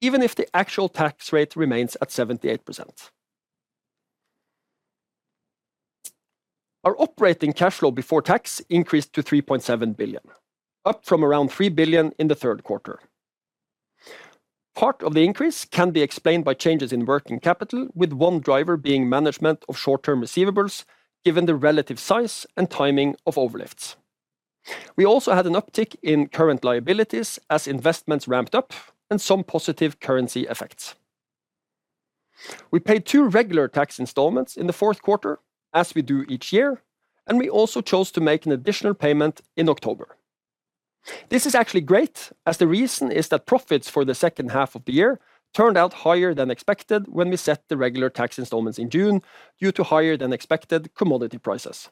even if the actual tax rate remains at 78%. Our operating cash flow before tax increased to $3.7 billion, up from around $3 billion in the third quarter. Part of the increase can be explained by changes in working capital, with one driver being management of short-term receivables, given the relative size and timing of overlifts. We also had an uptick in current liabilities as investments ramped up and some positive currency effects. We paid two regular tax installments in the fourth quarter, as we do each year, and we also chose to make an additional payment in October. This is actually great, as the reason is that profits for the second half of the year turned out higher than expected when we set the regular tax installments in June due to higher than expected commodity prices.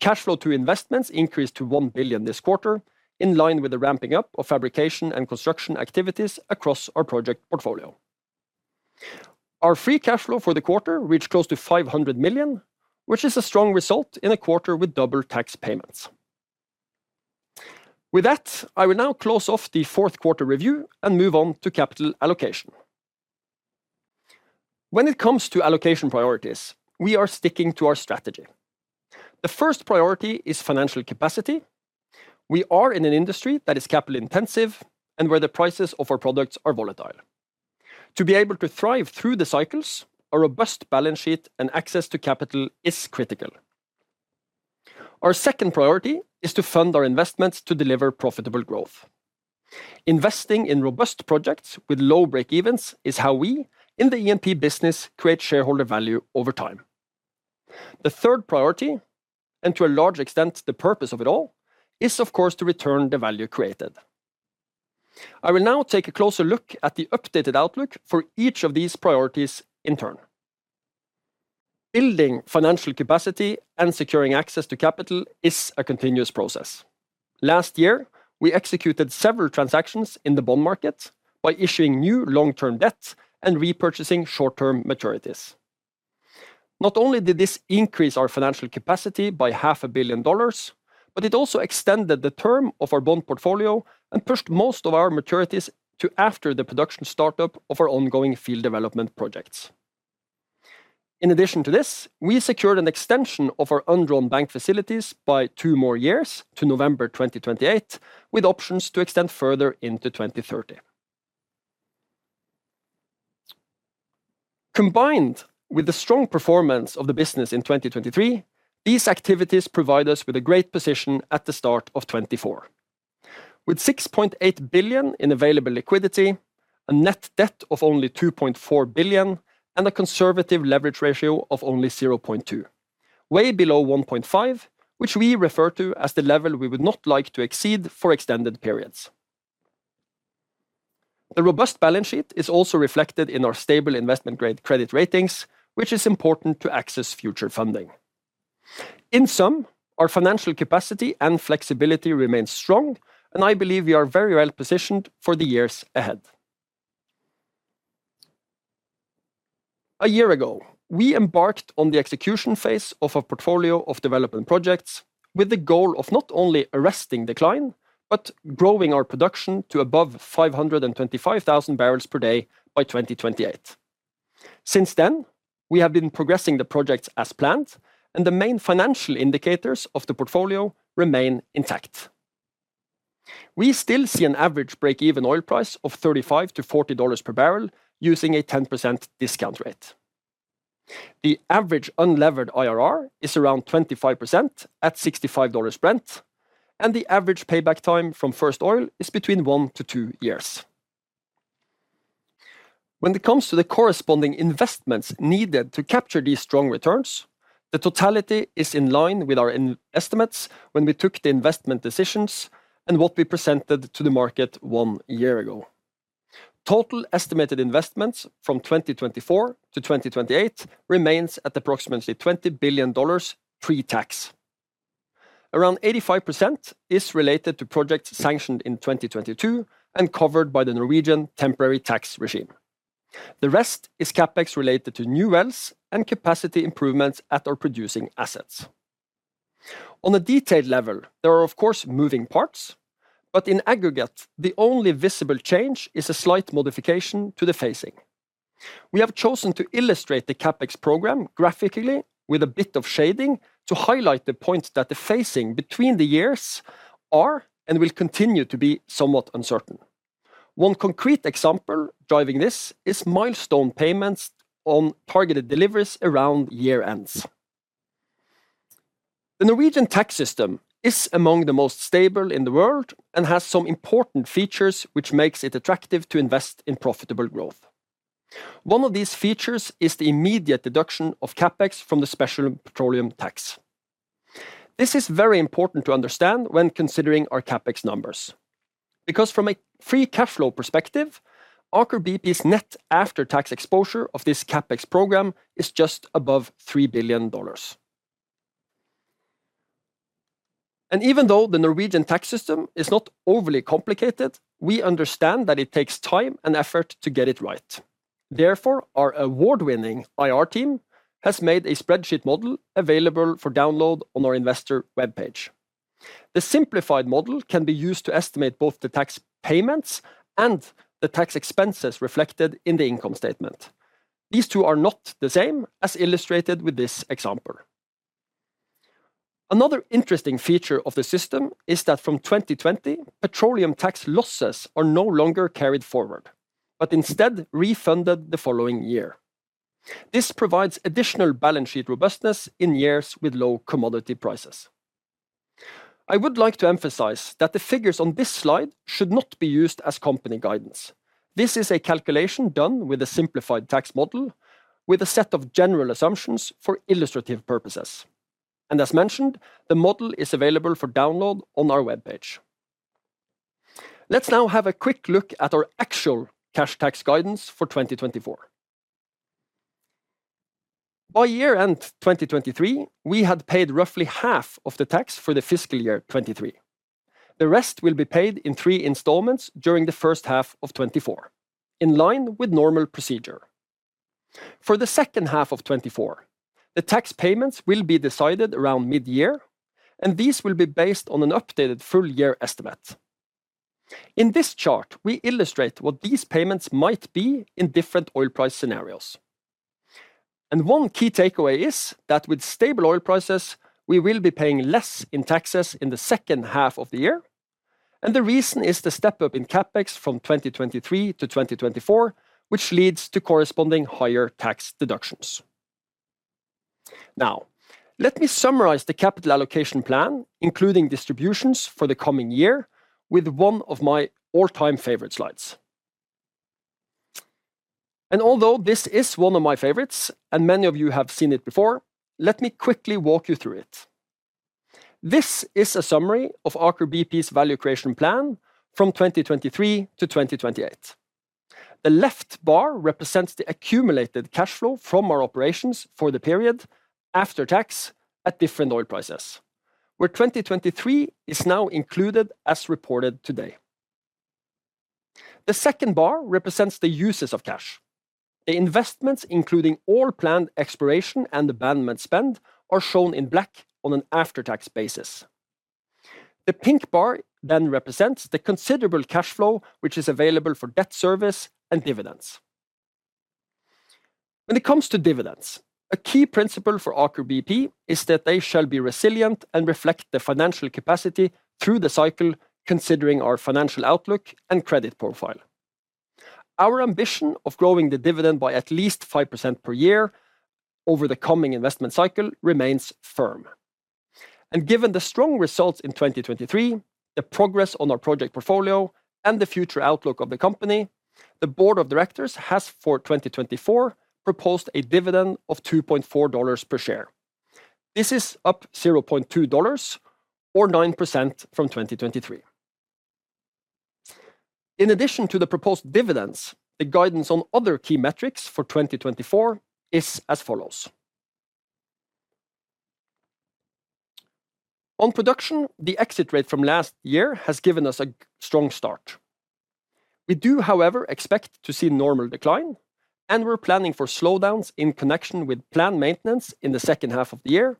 Cash flow to investments increased to $1 billion this quarter, in line with the ramping up of fabrication and construction activities across our project portfolio. Our free cash flow for the quarter reached close to $500 million, which is a strong result in a quarter with double tax payments. With that, I will now close off the fourth quarter review and move on to capital allocation. When it comes to allocation priorities, we are sticking to our strategy. The first priority is financial capacity. We are in an industry that is capital-intensive and where the prices of our products are volatile. To be able to thrive through the cycles, a robust balance sheet and access to capital is critical. Our second priority is to fund our investments to deliver profitable growth. Investing in robust projects with low breakevens is how we in the E&P business create shareholder value over time. The third priority, and to a large extent, the purpose of it all, is, of course, to return the value created. I will now take a closer look at the updated outlook for each of these priorities in turn. Building financial capacity and securing access to capital is a continuous process. Last year, we executed several transactions in the bond market by issuing new long-term debt and repurchasing short-term maturities. Not only did this increase our financial capacity by $500 million, but it also extended the term of our bond portfolio and pushed most of our maturities to after the production startup of our ongoing field development projects. In addition to this, we secured an extension of our undrawn bank facilities by two more years to November 2028, with options to extend further into 2030. Combined with the strong performance of the business in 2023, these activities provide us with a great position at the start of 2024. With $6.8 billion in available liquidity, a net debt of only $2.4 billion, and a conservative leverage ratio of only 0.2, way below 1.5, which we refer to as the level we would not like to exceed for extended periods. The robust balance sheet is also reflected in our stable investment-grade credit ratings, which is important to access future funding. In sum, our financial capacity and flexibility remains strong, and I believe we are very well positioned for the years ahead. A year ago, we embarked on the execution phase of a portfolio of development projects with the goal of not only arresting decline, but growing our production to above 525,000 barrels per day by 2028. Since then, we have been progressing the projects as planned, and the main financial indicators of the portfolio remain intact. We still see an average break-even oil price of $35-$40 per barrel, using a 10% discount rate. The average unlevered IRR is around 25% at $65 Brent, and the average payback time from first oil is between 1-2 years. When it comes to the corresponding investments needed to capture these strong returns, the totality is in line with our initial estimates when we took the investment decisions and what we presented to the market one year ago. Total estimated investments from 2024 to 2028 remains at approximately $20 billion pre-tax. Around 85% is related to projects sanctioned in 2022 and covered by the Norwegian temporary tax regime. The rest is CapEx related to new wells and capacity improvements at our producing assets. On a detailed level, there are of course, moving parts, but in aggregate, the only visible change is a slight modification to the phasing. We have chosen to illustrate the CapEx program graphically with a bit of shading, to highlight the points that the phasing between the years are and will continue to be somewhat uncertain. One concrete example driving this is milestone payments on targeted deliveries around year ends. The Norwegian tax system is among the most stable in the world and has some important features which makes it attractive to invest in profitable growth. One of these features is the immediate deduction of CapEx from the special petroleum tax. This is very important to understand when considering our CapEx numbers, because from a free cash flow perspective, Aker BP's net after-tax exposure of this CapEx program is just above $3 billion. Even though the Norwegian tax system is not overly complicated, we understand that it takes time and effort to get it right. Therefore, our award-winning IR team has made a spreadsheet model available for download on our investor webpage. The simplified model can be used to estimate both the tax payments and the tax expenses reflected in the income statement. These two are not the same as illustrated with this example. Another interesting feature of the system is that from 2020, petroleum tax losses are no longer carried forward, but instead refunded the following year. This provides additional balance sheet robustness in years with low commodity prices. I would like to emphasize that the figures on this slide should not be used as company guidance. This is a calculation done with a simplified tax model, with a set of general assumptions for illustrative purposes. As mentioned, the model is available for download on our webpage. Let's now have a quick look at our actual cash tax guidance for 2024. By year-end 2023, we had paid roughly half of the tax for the fiscal year 2023. The rest will be paid in 3 installments during the first half of 2024, in line with normal procedure. For the second half of 2024, the tax payments will be decided around mid-year, and these will be based on an updated full year estimate. In this chart, we illustrate what these payments might be in different oil price scenarios. One key takeaway is that with stable oil prices, we will be paying less in taxes in the second half of the year, and the reason is the step up in CapEx from 2023 to 2024, which leads to corresponding higher tax deductions. Now, let me summarize the capital allocation plan, including distributions for the coming year, with one of my all-time favorite slides. Although this is one of my favorites and many of you have seen it before, let me quickly walk you through it. This is a summary of Aker BP's value creation plan from 2023 to 2028. The left bar represents the accumulated cash flow from our operations for the period after tax at different oil prices, where 2023 is now included, as reported today. The second bar represents the uses of cash. The investments, including all planned exploration and abandonment spend, are shown in black on an after-tax basis. The pink bar then represents the considerable cash flow, which is available for debt service and dividends. When it comes to dividends, a key principle for Aker BP is that they shall be resilient and reflect the financial capacity through the cycle, considering our financial outlook and credit profile. Our ambition of growing the dividend by at least 5% per year over the coming investment cycle remains firm. Given the strong results in 2023, the progress on our project portfolio and the future outlook of the company, the board of directors has, for 2024, proposed a dividend of $2.4 per share. This is up $0.2 or 9% from 2023. In addition to the proposed dividends, the guidance on other key metrics for 2024 is as follows. On production, the exit rate from last year has given us a strong start. We do, however, expect to see normal decline, and we're planning for slowdowns in connection with planned maintenance in the second half of the year,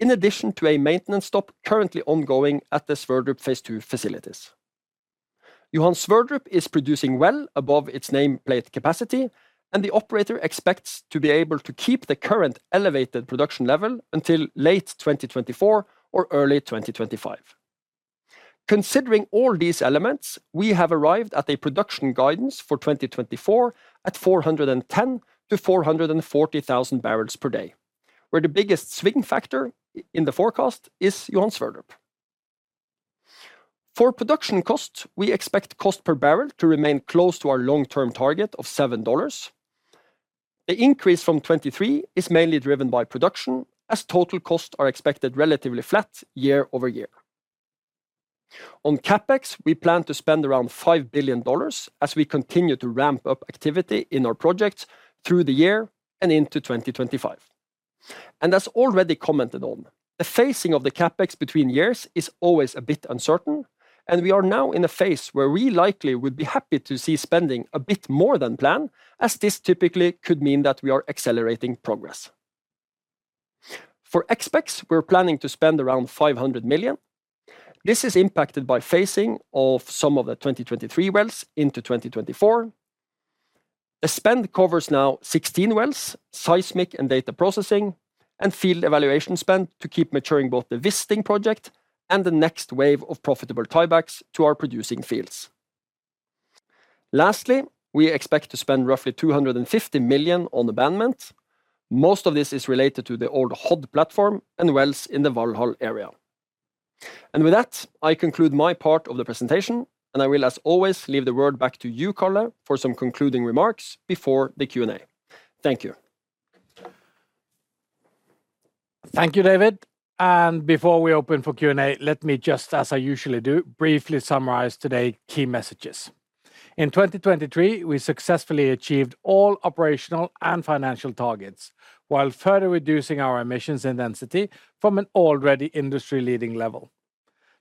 in addition to a maintenance stop currently ongoing at the Sverdrup phase 2 facilities. Johan Sverdrup is producing well above its nameplate capacity, and the operator expects to be able to keep the current elevated production level until late 2024 or early 2025. Considering all these elements, we have arrived at a production guidance for 2024 at 410,000-440,000 barrels per day, where the biggest swinging factor in the forecast is Johan Sverdrup. For production costs, we expect cost per barrel to remain close to our long-term target of $7. The increase from 2023 is mainly driven by production, as total costs are expected relatively flat year-over-year. On CapEx, we plan to spend around $5 billion as we continue to ramp up activity in our projects through the year and into 2025. As already commented on, the phasing of the CapEx between years is always a bit uncertain, and we are now in a phase where we likely would be happy to see spending a bit more than planned, as this typically could mean that we are accelerating progress. For OpEx, we're planning to spend around $500 million. This is impacted by phasing of some of the 2023 wells into 2024. The spend covers now 16 wells, seismic and data processing, and field evaluation spend to keep maturing both the Wisting project and the next wave of profitable tiebacks to our producing fields. Lastly, we expect to spend roughly $250 million on abandonment. Most of this is related to the old Hod platform and wells in the Valhall area. And with that, I conclude my part of the presentation, and I will, as always, leave the word back to you, Karl, for some concluding remarks before the Q&A. Thank you. Thank you, David. And before we open for Q&A, let me just, as I usually do, briefly summarize today key messages. In 2023, we successfully achieved all operational and financial targets, while further reducing our emissions intensity from an already industry-leading level.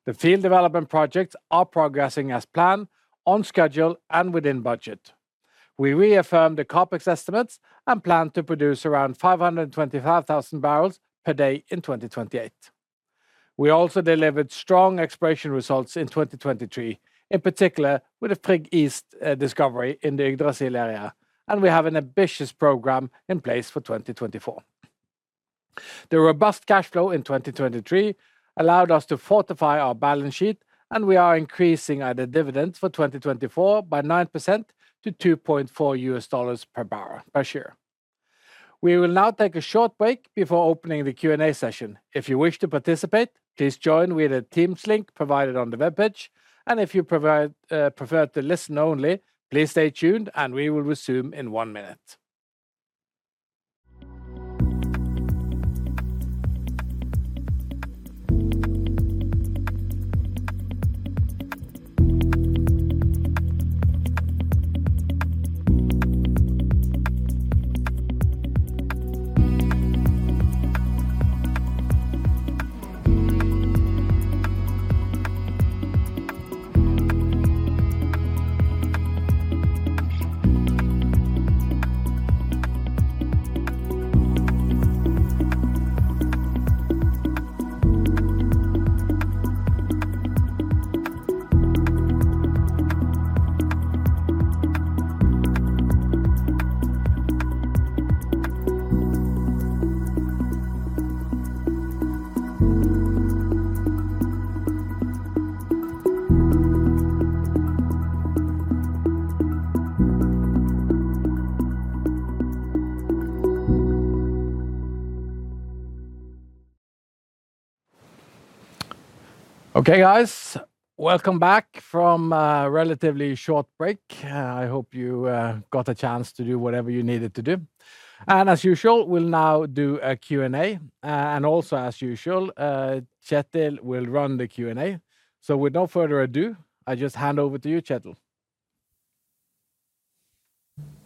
The field development projects are progressing as planned, on schedule, and within budget. We reaffirm the OpEx estimates and plan to produce around 525,000 barrels per day in 2028. We also delivered strong exploration results in 2023, in particular with the Frigg East discovery in the Yggdrasil area, and we have an ambitious program in place for 2024. The robust cash flow in 2023 allowed us to fortify our balance sheet, and we are increasing our dividend for 2024 by 9% to $2.4 per share. We will now take a short break before opening the Q&A session. If you wish to participate, please join with the Teams link provided on the webpage, and if you prefer to listen only, please stay tuned, and we will resume in one minute. Okay, guys, welcome back from a relatively short break. I hope you got a chance to do whatever you needed to do. And as usual, we'll now do a Q&A. And also, as usual, Kjetil will run the Q&A. So with no further ado, I just hand over to you, Kjetil.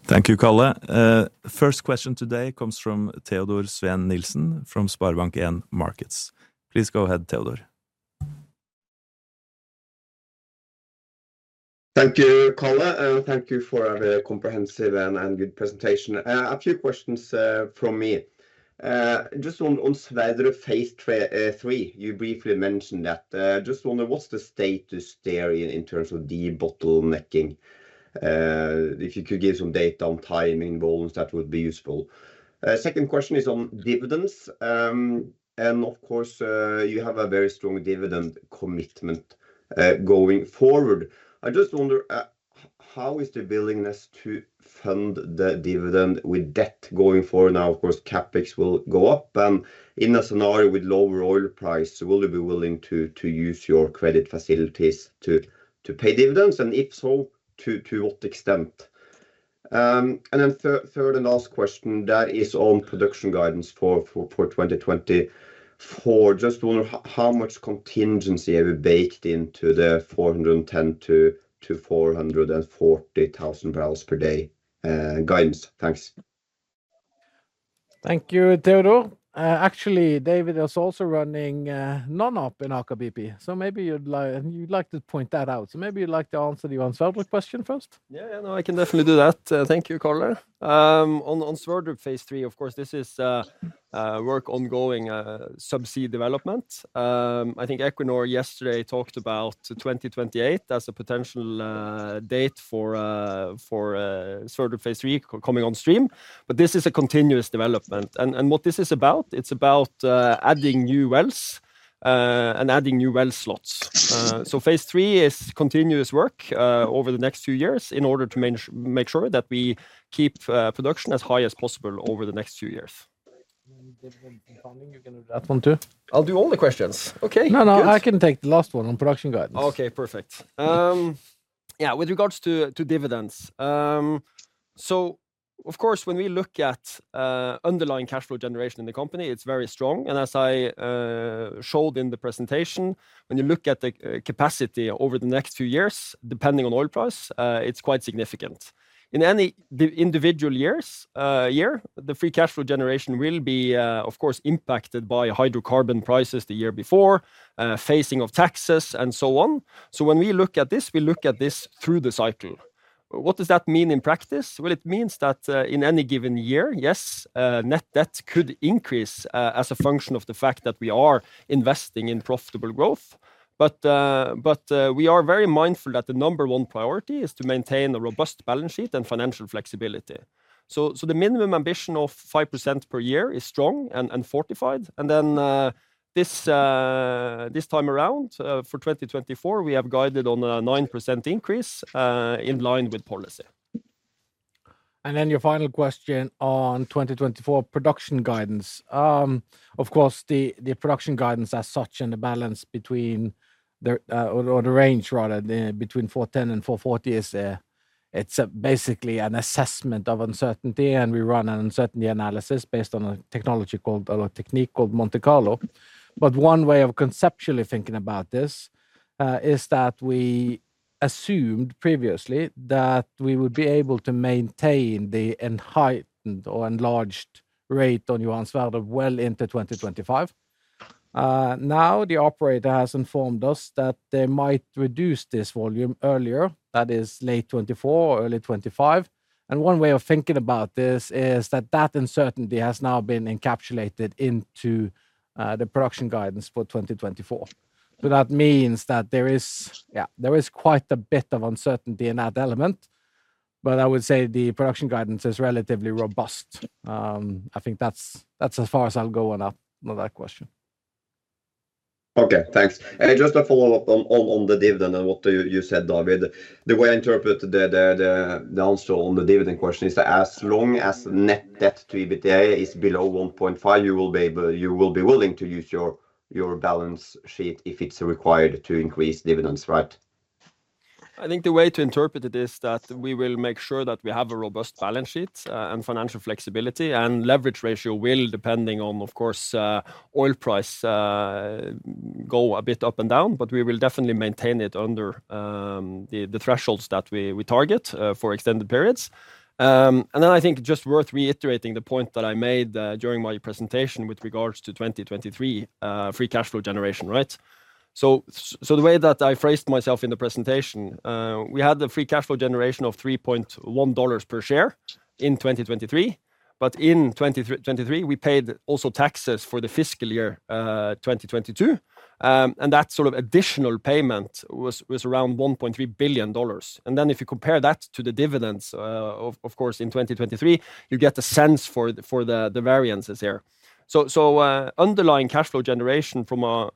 Thank you, Karl. First question today comes from Teodor Sveen-Nilsen, from SpareBank 1 Markets. Please go ahead, Teodor. Thank you, Karl, and thank you for a very comprehensive and good presentation. A few questions from me. Just on Sverdrup Phase three, you briefly mentioned that, just wonder, what's the status there in terms of the bottlenecking? If you could give some data on timing roles, that would be useful. Second question is on dividends. And of course, you have a very strong dividend commitment going forward. I just wonder, how is the willingness to fund the dividend with debt going forward? Now, of course, CapEx will go up, and in a scenario with lower oil price, will you be willing to use your credit facilities to pay dividends? And if so, to what extent? And then third and last question, that is on production guidance for 2024. Just wonder how much contingency have you baked into the 410-440 thousand barrels per day guidance? Thanks. Thank you, Teodor. Actually, David is also running non-op in Aker BP, so maybe you'd like to point that out. So maybe you'd like to answer the unsettled question first? Yeah. Yeah, no, I can definitely do that. Thank you, Karl. On Johan Sverdrup Phase Three, of course, this is work ongoing, subsea development. I think Equinor yesterday talked about 2028 as a potential date for Johan Sverdrup Phase Three coming on stream, but this is a continuous development. And what this is about? It's about adding new wells and adding new well slots. So phase three is continuous work over the next few years in order to make sure that we keep production as high as possible over the next few years. You're gonna do that one, too? I'll do all the questions. Okay, good. No, no, I can take the last one on production guidance. Okay, perfect. Yeah, with regards to dividends, so of course, when we look at underlying cash flow generation in the company, it's very strong. And as I showed in the presentation, when you look at the capacity over the next few years, depending on oil price, it's quite significant. In any individual years, year, the free cash flow generation will be, of course, impacted by hydrocarbon prices the year before, phasing of taxes, and so on. So when we look at this, we look at this through the cycle. What does that mean in practice? Well, it means that, in any given year, yes, net debt could increase, as a function of the fact that we are investing in profitable growth. But we are very mindful that the number one priority is to maintain a robust balance sheet and financial flexibility. So the minimum ambition of 5% per year is strong and fortified. And then, this time around, for 2024, we have guided on a 9% increase, in line with policy. And then your final question on 2024 production guidance. Of course, the production guidance as such, and the balance between the, or the range rather, between 410 and 440 is, it's basically an assessment of uncertainty, and we run an uncertainty analysis based on a technology called or a technique called Monte Carlo. But one way of conceptually thinking about this, is that we assumed previously that we would be able to maintain the heightened or enlarged rate on Johan Sverdrup well into 2025. Now, the operator has informed us that they might reduce this volume earlier, that is late 2024 or early 2025. And one way of thinking about this is that that uncertainty has now been encapsulated into, the production guidance for 2024. So that means that there is, yeah, there is quite a bit of uncertainty in that element, but I would say the production guidance is relatively robust. I think that's as far as I'll go on that question. Okay, thanks. Just a follow-up on the dividend and what you said, David. The way I interpret the downside on the dividend question is, as long as net debt to EBITDA is below 1.5, you will be willing to use your balance sheet if it's required to increase dividends, right? I think the way to interpret it is that we will make sure that we have a robust balance sheet, and financial flexibility, and leverage ratio will, depending on, of course, oil price, go a bit up and down, but we will definitely maintain it under the thresholds that we target for extended periods. And then I think just worth reiterating the point that I made during my presentation with regards to 2023 free cash flow generation, right? So, the way that I phrased myself in the presentation, we had the free cash flow generation of $3.1 per share in 2023, but in 2023, we paid also taxes for the fiscal year 2022. And that sort of additional payment was around $1.3 billion. Then if you compare that to the dividends, of course, in 2023, you get a sense for the variances here. So, underlying cash flow generation from a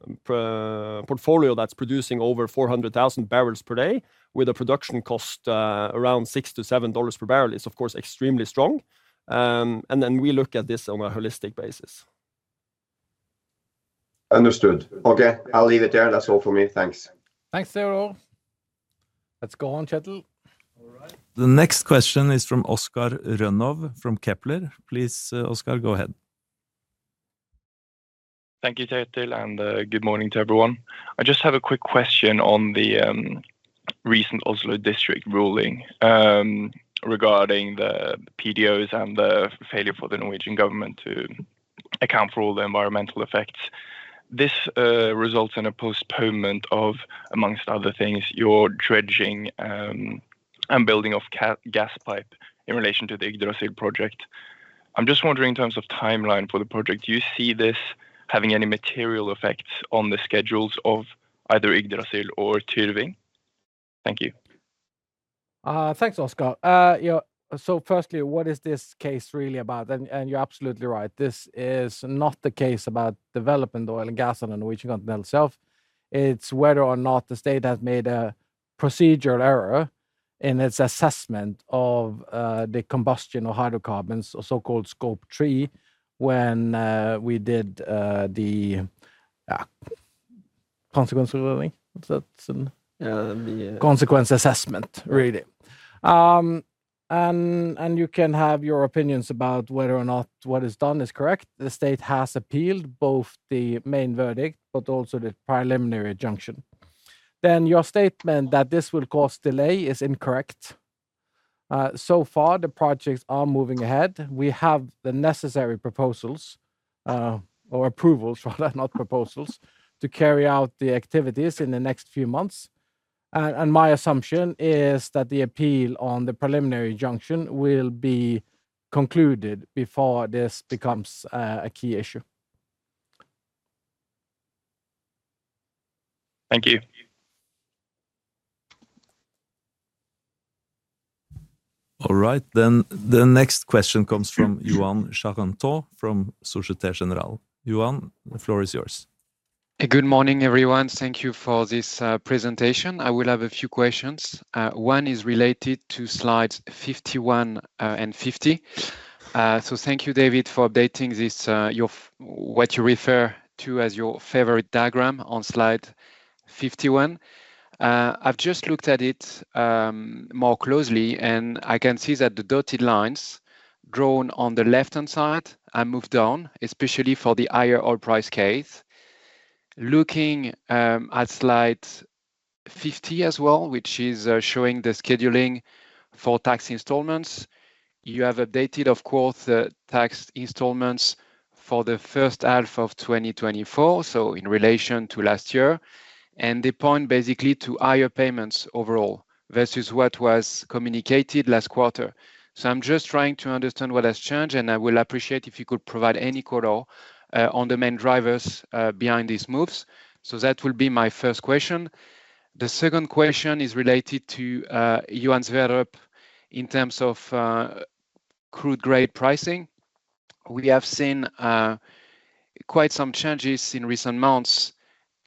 portfolio that's producing over 400,000 barrels per day, with a production cost around $6-$7 per barrel, is of course, extremely strong. And then we look at this on a holistic basis. Understood. Okay, I'll leave it there. That's all for me. Thanks. Thanks, Teodore. Let's go on, Kjetil. All right, the next question is from Oscar Rønnov from Kepler. Please, Oscar, go ahead. Thank you, Kjetil, and good morning to everyone. I just have a quick question on the recent Oslo district ruling regarding the PDOs and the failure for the Norwegian government to account for all the environmental effects. This results in a postponement of, among other things, your dredging and building of gas pipe in relation to the Yggdrasil project. I'm just wondering, in terms of timeline for the project, do you see this having any material effects on the schedules of either Yggdrasil or Tyrving? Thank you. Thanks, Oscar. Yeah, so firstly, what is this case really about? And you're absolutely right. This is not the case about developing the oil and gas on the Norwegian Continental Shelf. It's whether or not the state has made a procedural error in its assessment of the combustion of hydrocarbons, or so-called Scope 3, when we did the consequence ruling. What's that? Uh, the- Consequence assessment, really. You can have your opinions about whether or not what is done is correct. The state has appealed both the main verdict, but also the preliminary injunction. Then your statement that this will cause delay is incorrect. So far, the projects are moving ahead. We have the necessary proposals, or approvals, rather not proposals, to carry out the activities in the next few months. And my assumption is that the appeal on the preliminary injunction will be concluded before this becomes a key issue. Thank you. All right, then. The next question comes from Yoann Charenton from Société Générale. Yoann, the floor is yours. Good morning, everyone. Thank you for this presentation. I will have a few questions. One is related to slides 51 and 50. So thank you, David, for updating this, what you refer to as your favorite diagram on slide 51. I've just looked at it more closely, and I can see that the dotted lines drawn on the left-hand side are moved down, especially for the higher oil price case. Looking at slide 50 as well, which is showing the scheduling for tax installments, you have updated, of course, the tax installments for the first half of 2024, so in relation to last year, and they point basically to higher payments overall versus what was communicated last quarter. I'm just trying to understand what has changed, and I will appreciate if you could provide any color on the main drivers behind these moves. That will be my first question. The second question is related to Johan Sverdrup in terms of crude grade pricing. We have seen quite some changes in recent months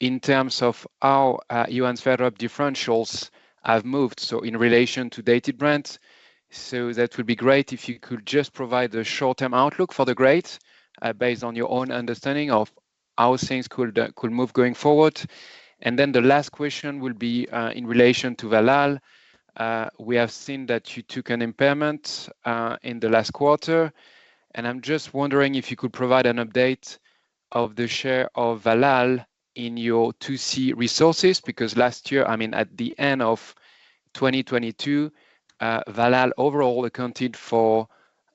in terms of how Johan Sverdrup differentials have moved, so in relation to Dated Brent. That would be great if you could just provide a short-term outlook for the grades based on your own understanding of how things could move going forward. And then the last question will be in relation to Valhall. We have seen that you took an impairment in the last quarter, and I'm just wondering if you could provide an update of the share of Valhall in your 2C resources, because last year, I mean, at the end of 2022, Valhall overall accounted for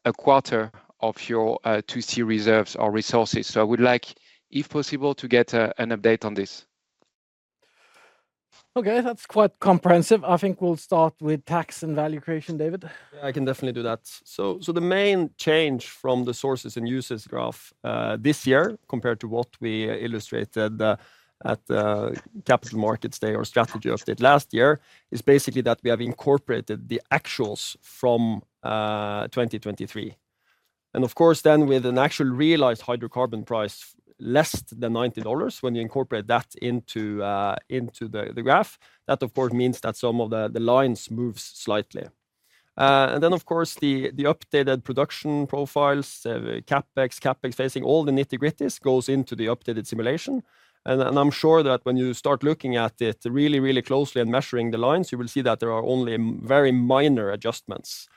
a quarter of your 2C reserves or resources. So I would like, if possible, to get an update on this. Okay, that's quite comprehensive. I think we'll start with tax and value creation, David. Yeah, I can definitely do that. So the main change from the sources and uses graph this year, compared to what we illustrated at the Capital Markets Day or Strategy Update last year, is basically that we have incorporated the actuals from 2023. And of course, then with an actual realized hydrocarbon price less than $90, when you incorporate that into the graph, that of course means that some of the lines moves slightly. And then, of course, the updated production profiles, CapEx facing all the nitty-gritties, goes into the updated simulation. And I'm sure that when you start looking at it really, really closely and measuring the lines, you will see that there are only very minor adjustments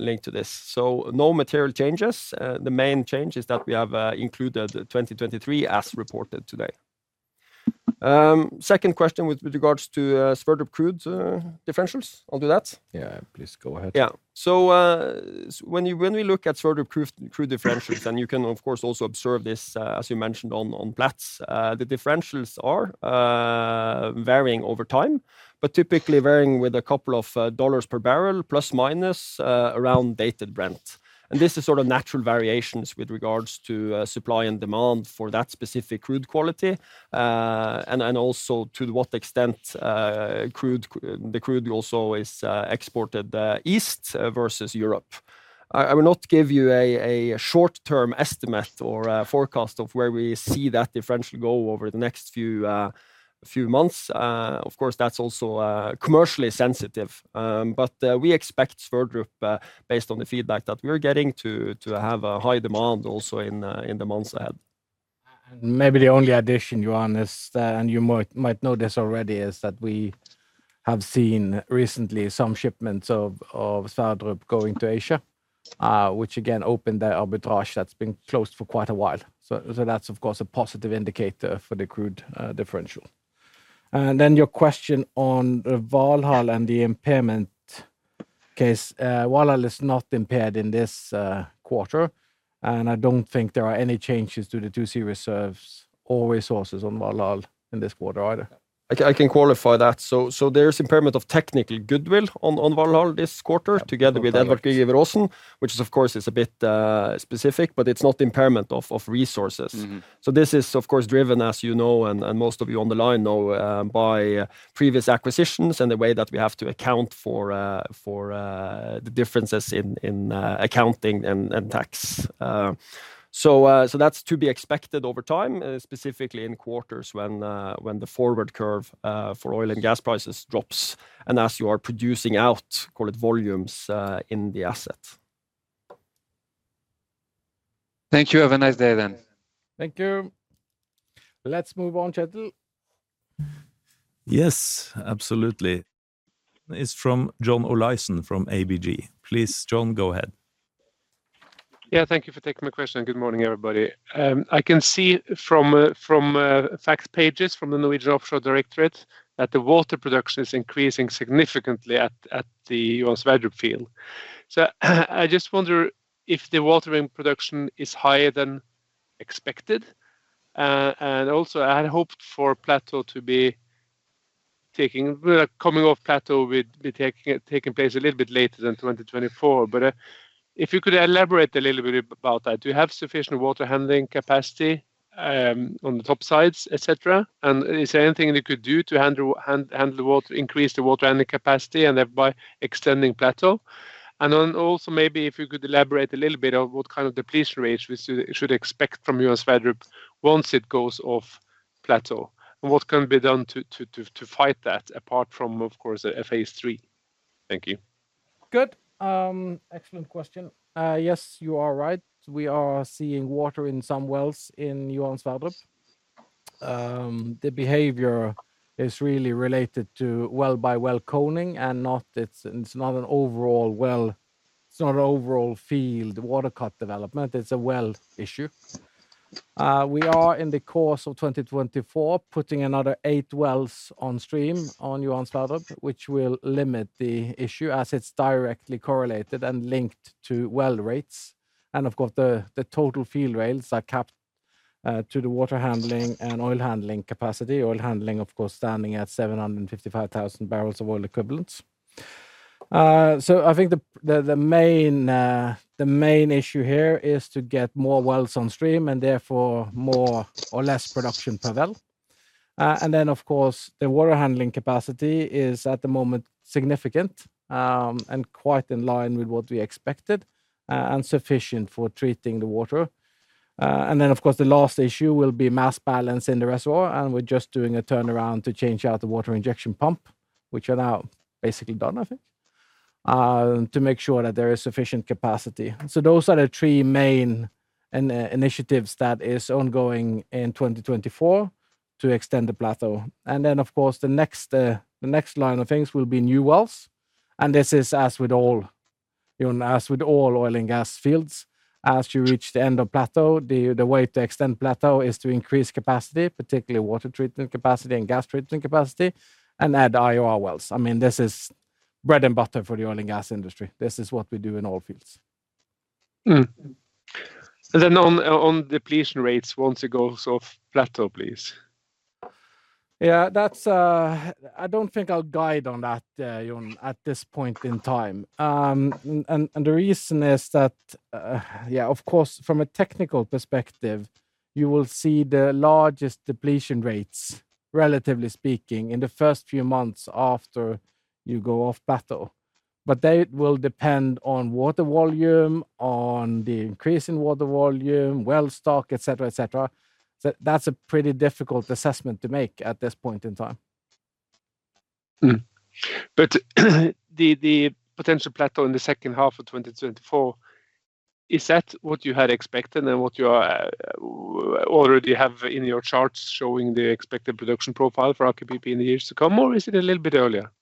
linked to this. So no material changes. The main change is that we have included 2023 as reported today. Second question with regards to Sverdrup crude differentials. I'll do that? Yeah, please go ahead. Yeah. So, when we look at Sverdrup crude, crude differentials, and you can, of course, also observe this, as you mentioned, on Platts, the differentials are varying over time, but typically varying with a couple of $ per barrel, ±, around dated Brent. And this is sort of natural variations with regards to supply and demand for that specific crude quality, and also to what extent crude, the crude also is exported east versus Europe. I will not give you a short-term estimate or a forecast of where we see that differential go over the next few months. Of course, that's also commercially sensitive, but we expect Sverdrup, based on the feedback that we're getting, to have a high demand also in the months ahead. And maybe the only addition, Johan, is that, and you might know this already, is that we have seen recently some shipments of Sverdrup going to Asia, which again, opened the arbitrage that's been closed for quite a while. So that's, of course, a positive indicator for the crude differential. And then your question on Valhall and the impairment case. Valhall is not impaired in this quarter, and I don't think there are any changes to the 2C reserves or resources on Valhall in this quarter either. I can, I can qualify that. So, so there's impairment of technical goodwill on, on Valhall this quarter together with Edvard Grieg and Ivar Aasen, which is, of course, is a bit, specific, but it's not impairment of, of resources. Mm-hmm. So this is, of course, driven, as you know, and most of you on the line know, by previous acquisitions and the way that we have to account for the differences in accounting and tax. So that's to be expected over time, specifically in quarters when the forward curve for oil and gas prices drops and as you are producing out, call it, volumes in the asset. Thank you. Have a nice day, then. Thank you. Let's move on, Kjetil. Yes, absolutely. It's from John Olaisen, from ABG. Please, John, go ahead. Yeah, thank you for taking my question, and good morning, everybody. I can see from the fact pages from the Norwegian Petroleum Directorate that the water production is increasing significantly at the Johan Sverdrup field. So I just wonder if the water production is higher than expected. And also, I had hoped for the coming off of the plateau to take place a little bit later than 2024. But if you could elaborate a little bit about that. Do you have sufficient water handling capacity on the topsides, et cetera? And is there anything you could do to increase the water handling capacity and thereby extending plateau? And then also, maybe if you could elaborate a little bit on what kind of depletion rates we should expect from Johan Sverdrup once it goes off plateau, and what can be done to fight that, apart from, of course, the Phase 3? Thank you. Good. Excellent question. Yes, you are right. We are seeing water in some wells in Johan Sverdrup. The behavior is really related to well-by-well coning, and it's not an overall well. It's not an overall field water cut development, it's a well issue. We are in the course of 2024 putting another 8 wells on stream on Johan Sverdrup, which will limit the issue as it's directly correlated and linked to well rates. And of course, the total field rates are capped to the water handling and oil handling capacity. Oil handling, of course, standing at 755,000 barrels of oil equivalents. So I think the main issue here is to get more wells on stream, and therefore, more or less production per well. And then, of course, the water handling capacity is, at the moment, significant, and quite in line with what we expected, and sufficient for treating the water. And then, of course, the last issue will be mass balance in the reservoir, and we're just doing a turnaround to change out the water injection pump, which are now basically done, I think, to make sure that there is sufficient capacity. So those are the three main initiatives that is ongoing in 2024 to extend the plateau. And then, of course, the next line of things will be new wells, and this is, as with all, you know, as with all oil and gas fields, as you reach the end of plateau, the way to extend plateau is to increase capacity, particularly water treatment capacity and gas treatment capacity, and add IOR wells. I mean, this is bread and butter for the oil and gas industry. This is what we do in oil fields. And then on depletion rates, once it goes off plateau, please. Yeah, that's I don't think I'll guide on that, John, at this point in time. The reason is that, yeah, of course, from a technical perspective, you will see the largest depletion rates, relatively speaking, in the first few months after you go off plateau. But that will depend on water volume, on the increase in water volume, well stock, et cetera, et cetera. So that's a pretty difficult assessment to make at this point in time. But the potential plateau in the second half of 2024, is that what you had expected and what you are already have in your charts, showing the expected production profile for Aker BP in the years to come, or is it a little bit earlier?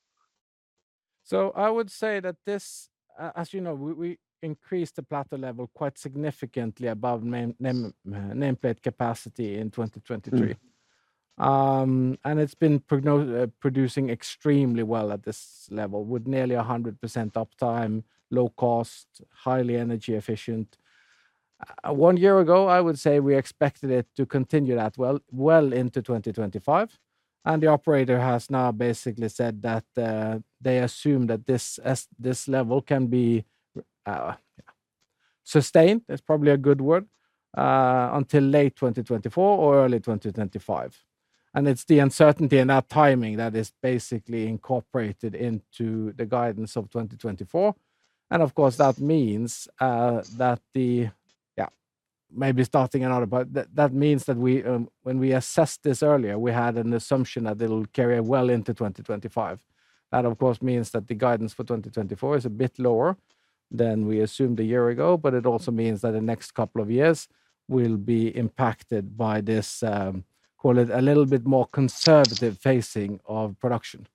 I would say that this, as you know, we increased the plateau level quite significantly above nameplate capacity in 2023. Mm. And it's been producing extremely well at this level, with nearly 100% uptime, low cost, highly energy efficient. One year ago, I would say we expected it to continue that well, well into 2025, and the operator has now basically said that they assume that this level can be sustained, that's probably a good word, until late 2024 or early 2025. And it's the uncertainty in that timing that is basically incorporated into the guidance of 2024. And of course, that means that the... Yeah, maybe starting another, but that, that means that we, when we assessed this earlier, we had an assumption that it'll carry well into 2025. That, of course, means that the guidance for 2024 is a bit lower than we assumed a year ago, but it also means that the next couple of years will be impacted by this, call it a little bit more conservative phasing of production.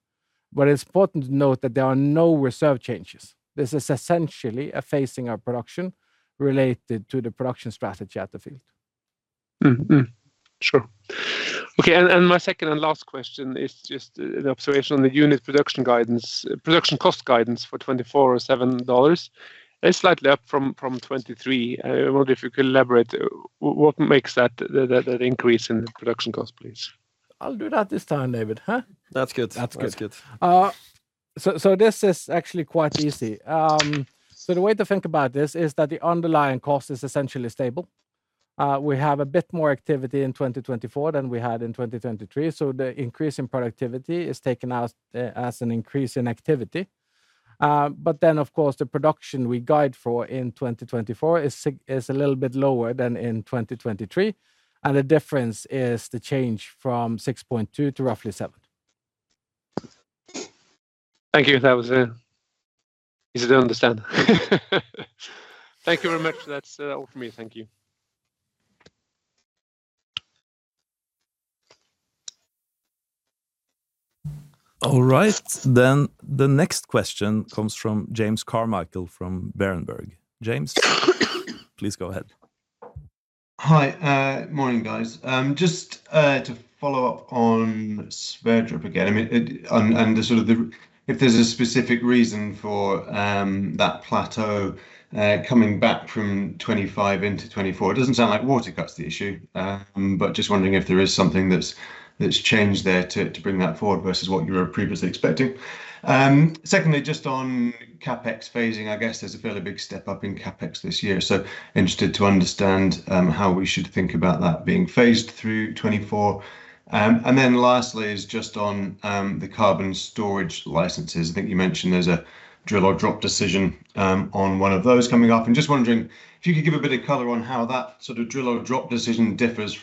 But it's important to note that there are no reserve changes. This is essentially a phasing of production related to the production strategy at the field. Mm, mm. Sure. Okay, and my second and last question is just an observation on the unit production guidance, production cost guidance for 2024 of $7. It's slightly up from 2023. I wonder if you could elaborate what makes that increase in the production cost, please? I'll do that this time, David, huh? That's good. That's good. That's good. So, this is actually quite easy. So the way to think about this is that the underlying cost is essentially stable. We have a bit more activity in 2024 than we had in 2023, so the increase in productivity is taken as an increase in activity. But then, of course, the production we guide for in 2024 is a little bit lower than in 2023, and the difference is the change from 6.2 to roughly 7. Thank you. That was easy to understand. Thank you very much. That's all from me. Thank you. All right, then the next question comes from James Carmichael from Berenberg. James, please go ahead. Hi, morning, guys. Just to follow up on Sverdrup again, I mean, if there's a specific reason for that plateau coming back from 2025 into 2024. It doesn't sound like water cut's the issue, but just wondering if there is something that's changed there to bring that forward versus what you were previously expecting. Secondly, just on CapEx phasing, I guess there's a fairly big step up in CapEx this year, so interested to understand how we should think about that being phased through 2024. And then lastly is just on the carbon storage licenses. I think you mentioned there's a drill or drop decision on one of those coming up. I'm just wondering if you could give a bit of color on how that sort of drill or drop decision differs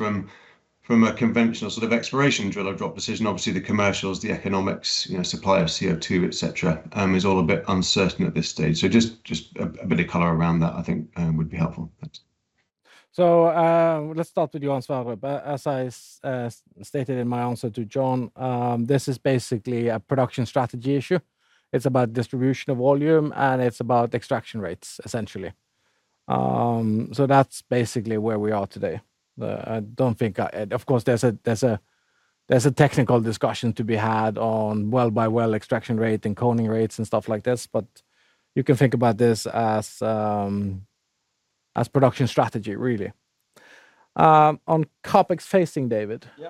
from a conventional sort of exploration drill or drop decision, obviously, the commercials, the economics, you know, supply of CO2, et cetera, is all a bit uncertain at this stage. So just a bit of color around that, I think, would be helpful. Thanks. So, let's start with you, Johan Sverdrup. But as I stated in my answer to John, this is basically a production strategy issue. It's about distribution of volume, and it's about extraction rates, essentially. So that's basically where we are today. I don't think I... Of course, there's a technical discussion to be had on well-by-well extraction rate and coning rates and stuff like this, but you can think about this as production strategy, really. On CapEx facing, David? Yeah.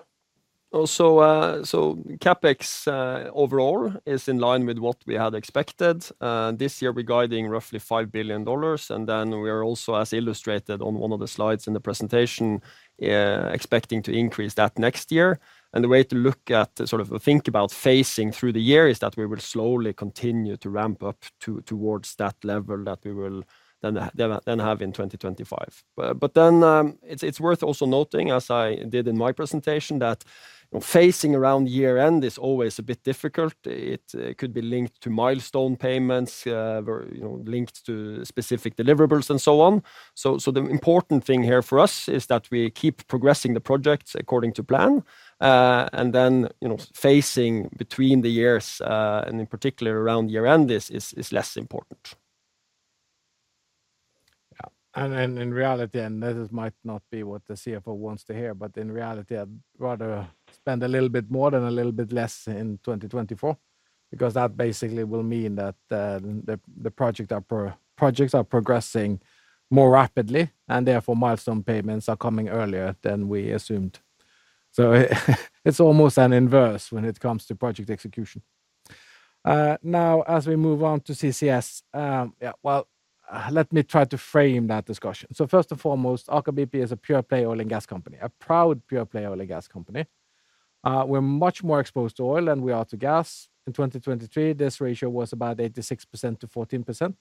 Also, so CapEx overall is in line with what we had expected. This year, we're guiding roughly $5 billion, and then we are also, as illustrated on one of the slides in the presentation, expecting to increase that next year. And the way to look at, sort of think about phasing through the year, is that we will slowly continue to ramp up towards that level that we will then then have in 2025. But then, it's worth also noting, as I did in my presentation, that phasing around year-end is always a bit difficult. It could be linked to milestone payments, or, you know, linked to specific deliverables, and so on. The important thing here for us is that we keep progressing the projects according to plan, and then, you know, phasing between the years, and in particular around year-end is less important. Yeah. And then in reality, and this might not be what the CFO wants to hear, but in reality, I'd rather spend a little bit more than a little bit less in 2024, because that basically will mean that the projects are progressing more rapidly, and therefore milestone payments are coming earlier than we assumed. So it's almost an inverse when it comes to project execution. Now, as we move on to CCS, yeah, well, let me try to frame that discussion. So first and foremost, Aker BP is a pure-play oil and gas company, a proud pure-play oil and gas company. We're much more exposed to oil than we are to gas. In 2023, this ratio was about 86%-14%,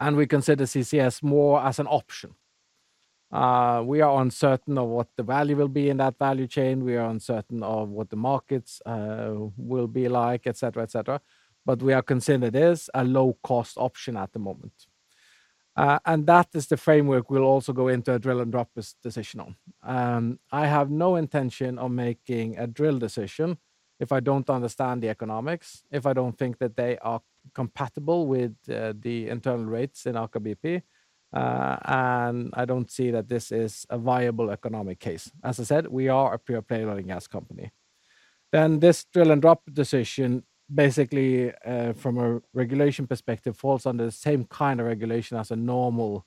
and we consider CCS more as an option. We are uncertain of what the value will be in that value chain, we are uncertain of what the markets will be like, et cetera, et cetera, but we are considering it as a low-cost option at the moment. And that is the framework we'll also go into a drill and drop this decision on. I have no intention of making a drill decision if I don't understand the economics, if I don't think that they are compatible with the internal rates in Aker BP, and I don't see that this is a viable economic case. As I said, we are a pure-play oil and gas company. Then this drill and drop decision, basically, from a regulation perspective, falls under the same kind of regulation as a normal,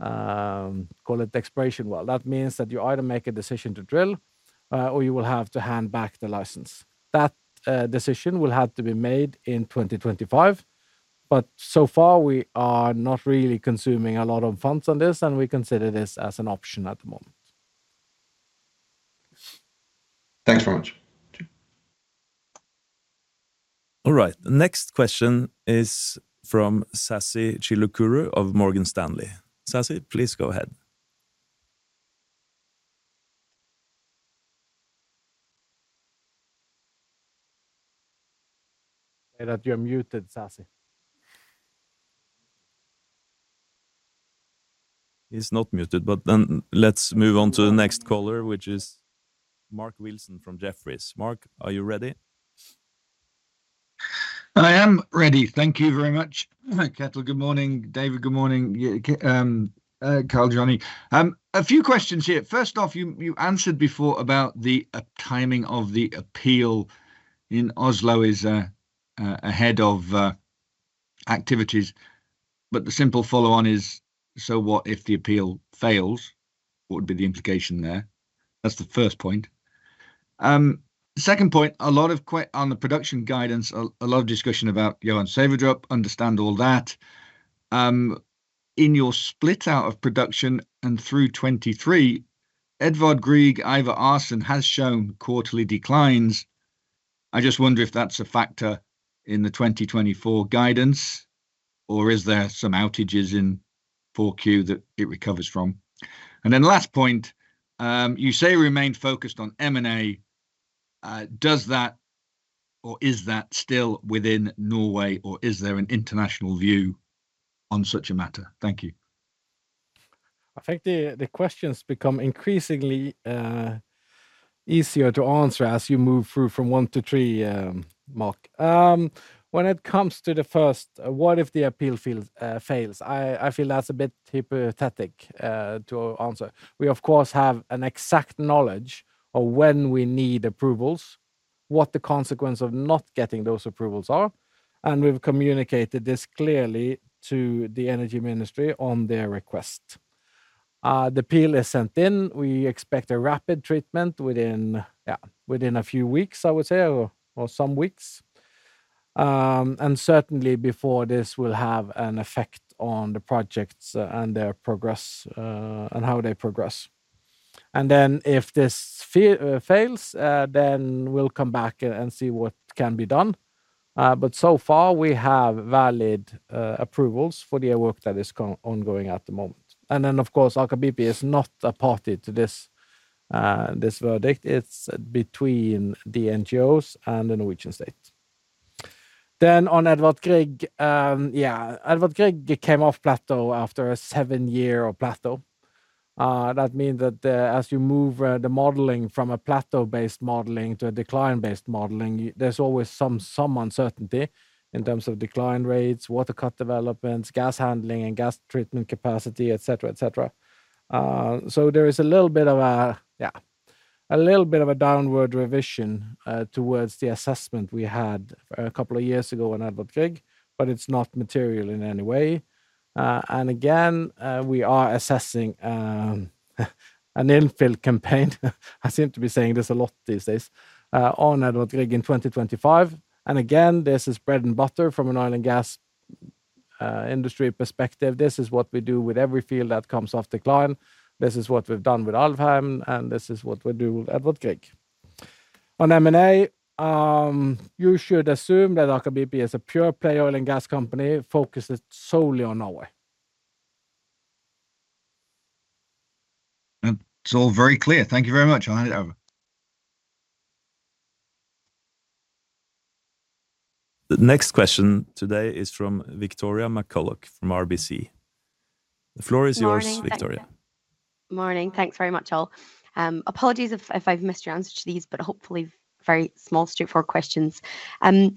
call it exploration well. That means that you either make a decision to drill, or you will have to hand back the license. That decision will have to be made in 2025, but so far, we are not really consuming a lot of funds on this, and we consider this as an option at the moment. Thanks very much. Sure. All right. The next question is from Sassi Chilukuru of Morgan Stanley. Sassi, please go ahead. Hey, that you're muted, Sassi. He's not muted, but then let's move on to the next caller, which is Mark Wilson from Jefferies. Mark, are you ready? I am ready. Thank you very much. Kjetil, good morning. David, good morning. Yeah, Karl Johnny. A few questions here. First off, you answered before about the timing of the appeal in Oslo is ahead of activities. But the simple follow-on is, so what if the appeal fails? What would be the implication there? That's the first point. Second point, a lot of questions on the production guidance, a lot of discussion about Johan Sverdrup, understand all that. In your split out of production and through 2023, Edvard Grieg, Ivar Aasen has shown quarterly declines. I just wonder if that's a factor in the 2024 guidance, or is there some outages in 4Q that it recovers from? And then the last point, you say you remain focused on M&A. Does that or is that still within Norway, or is there an international view on such a matter? Thank you. I think the questions become increasingly easier to answer as you move through from one to three, Mark. When it comes to the first, what if the appeal fails? I feel that's a bit hypothetical to answer. We, of course, have an exact knowledge of when we need approvals, what the consequence of not getting those approvals are, and we've communicated this clearly to the energy ministry on their request. The appeal is sent in. We expect a rapid treatment within a few weeks, I would say, or some weeks. And certainly, before this will have an effect on the projects, and their progress, and how they progress. Then, if this fails, then we'll come back and see what can be done. But so far, we have valid approvals for the work that is ongoing at the moment. And then, of course, Aker BP is not a party to this verdict. It's between the NGOs and the Norwegian state. Then on Edvard Grieg, yeah, Edvard Grieg came off plateau after a seven-year of plateau. That means that, as you move, the modeling from a plateau-based modeling to a decline-based modeling, there's always some uncertainty in terms of decline rates, water cut developments, gas handling, and gas treatment capacity, et cetera, et cetera. So there is a little bit of a, yeah, a little bit of a downward revision towards the assessment we had a couple of years ago on Edvard Grieg, but it's not material in any way. And again, we are assessing an infill campaign. I seem to be saying this a lot these days on Edvard Grieg in 2025. And again, this is bread and butter from an oil and gas industry perspective. This is what we do with every field that comes off decline. This is what we've done with Alvheim, and this is what we do with Edvard Grieg. On M&A, you should assume that Aker BP is a pure play oil and gas company focused solely on Norway. It's all very clear. Thank you very much. I'll hand it over. The next question today is from Victoria McCulloch from RBC. The floor is yours, Victoria. Morning. Thanks very much, all. Apologies if I've missed your answer to these, but hopefully very small, straightforward questions. In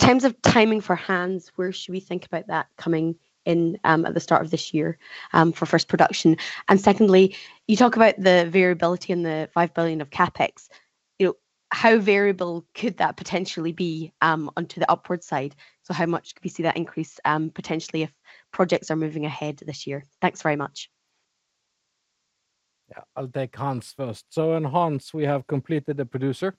terms of timing for Hanz, where should we think about that coming in, at the start of this year, for first production? And secondly, you talk about the variability in the $5 billion of CapEx. You know, how variable could that potentially be, onto the upward side? So how much could we see that increase, potentially if projects are moving ahead this year? Thanks very much. Yeah, I'll take Hanz first. So in Hanz, we have completed the producer.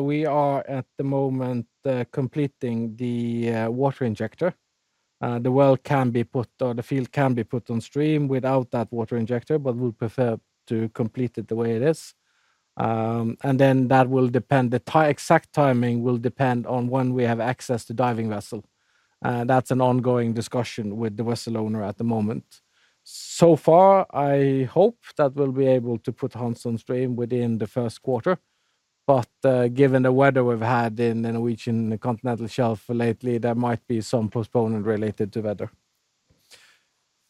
We are, at the moment, completing the water injector. The well can be put—or the field can be put on stream without that water injector, but we'd prefer to complete it the way it is. And then that will depend—The exact timing will depend on when we have access to diving vessel. That's an ongoing discussion with the vessel owner at the moment. So far, I hope that we'll be able to put Hanz on stream within the first quarter, but, given the weather we've had in the Norwegian Continental Shelf lately, there might be some postponement related to weather.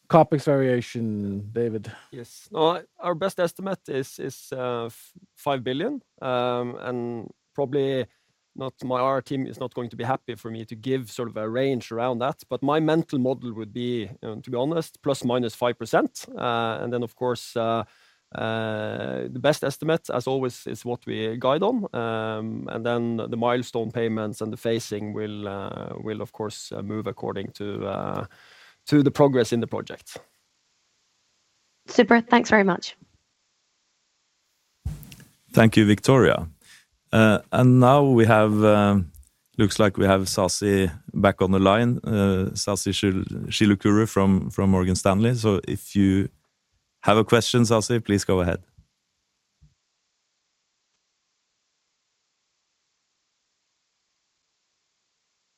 CapEx variation, David? Yes. Well, our best estimate is $5 billion. And probably not, our team is not going to be happy for me to give sort of a range around that, but my mental model would be, you know, to be honest, ±5%. And then, of course, the best estimate, as always, is what we guide on. And then the milestone payments and the phasing will, of course, move according to the progress in the project. Super. Thanks very much. Thank you, Victoria. And now we have, looks like we have Sasi back on the line, Sasi Chilukuru from Morgan Stanley. So if you have a question, Sasi, please go ahead.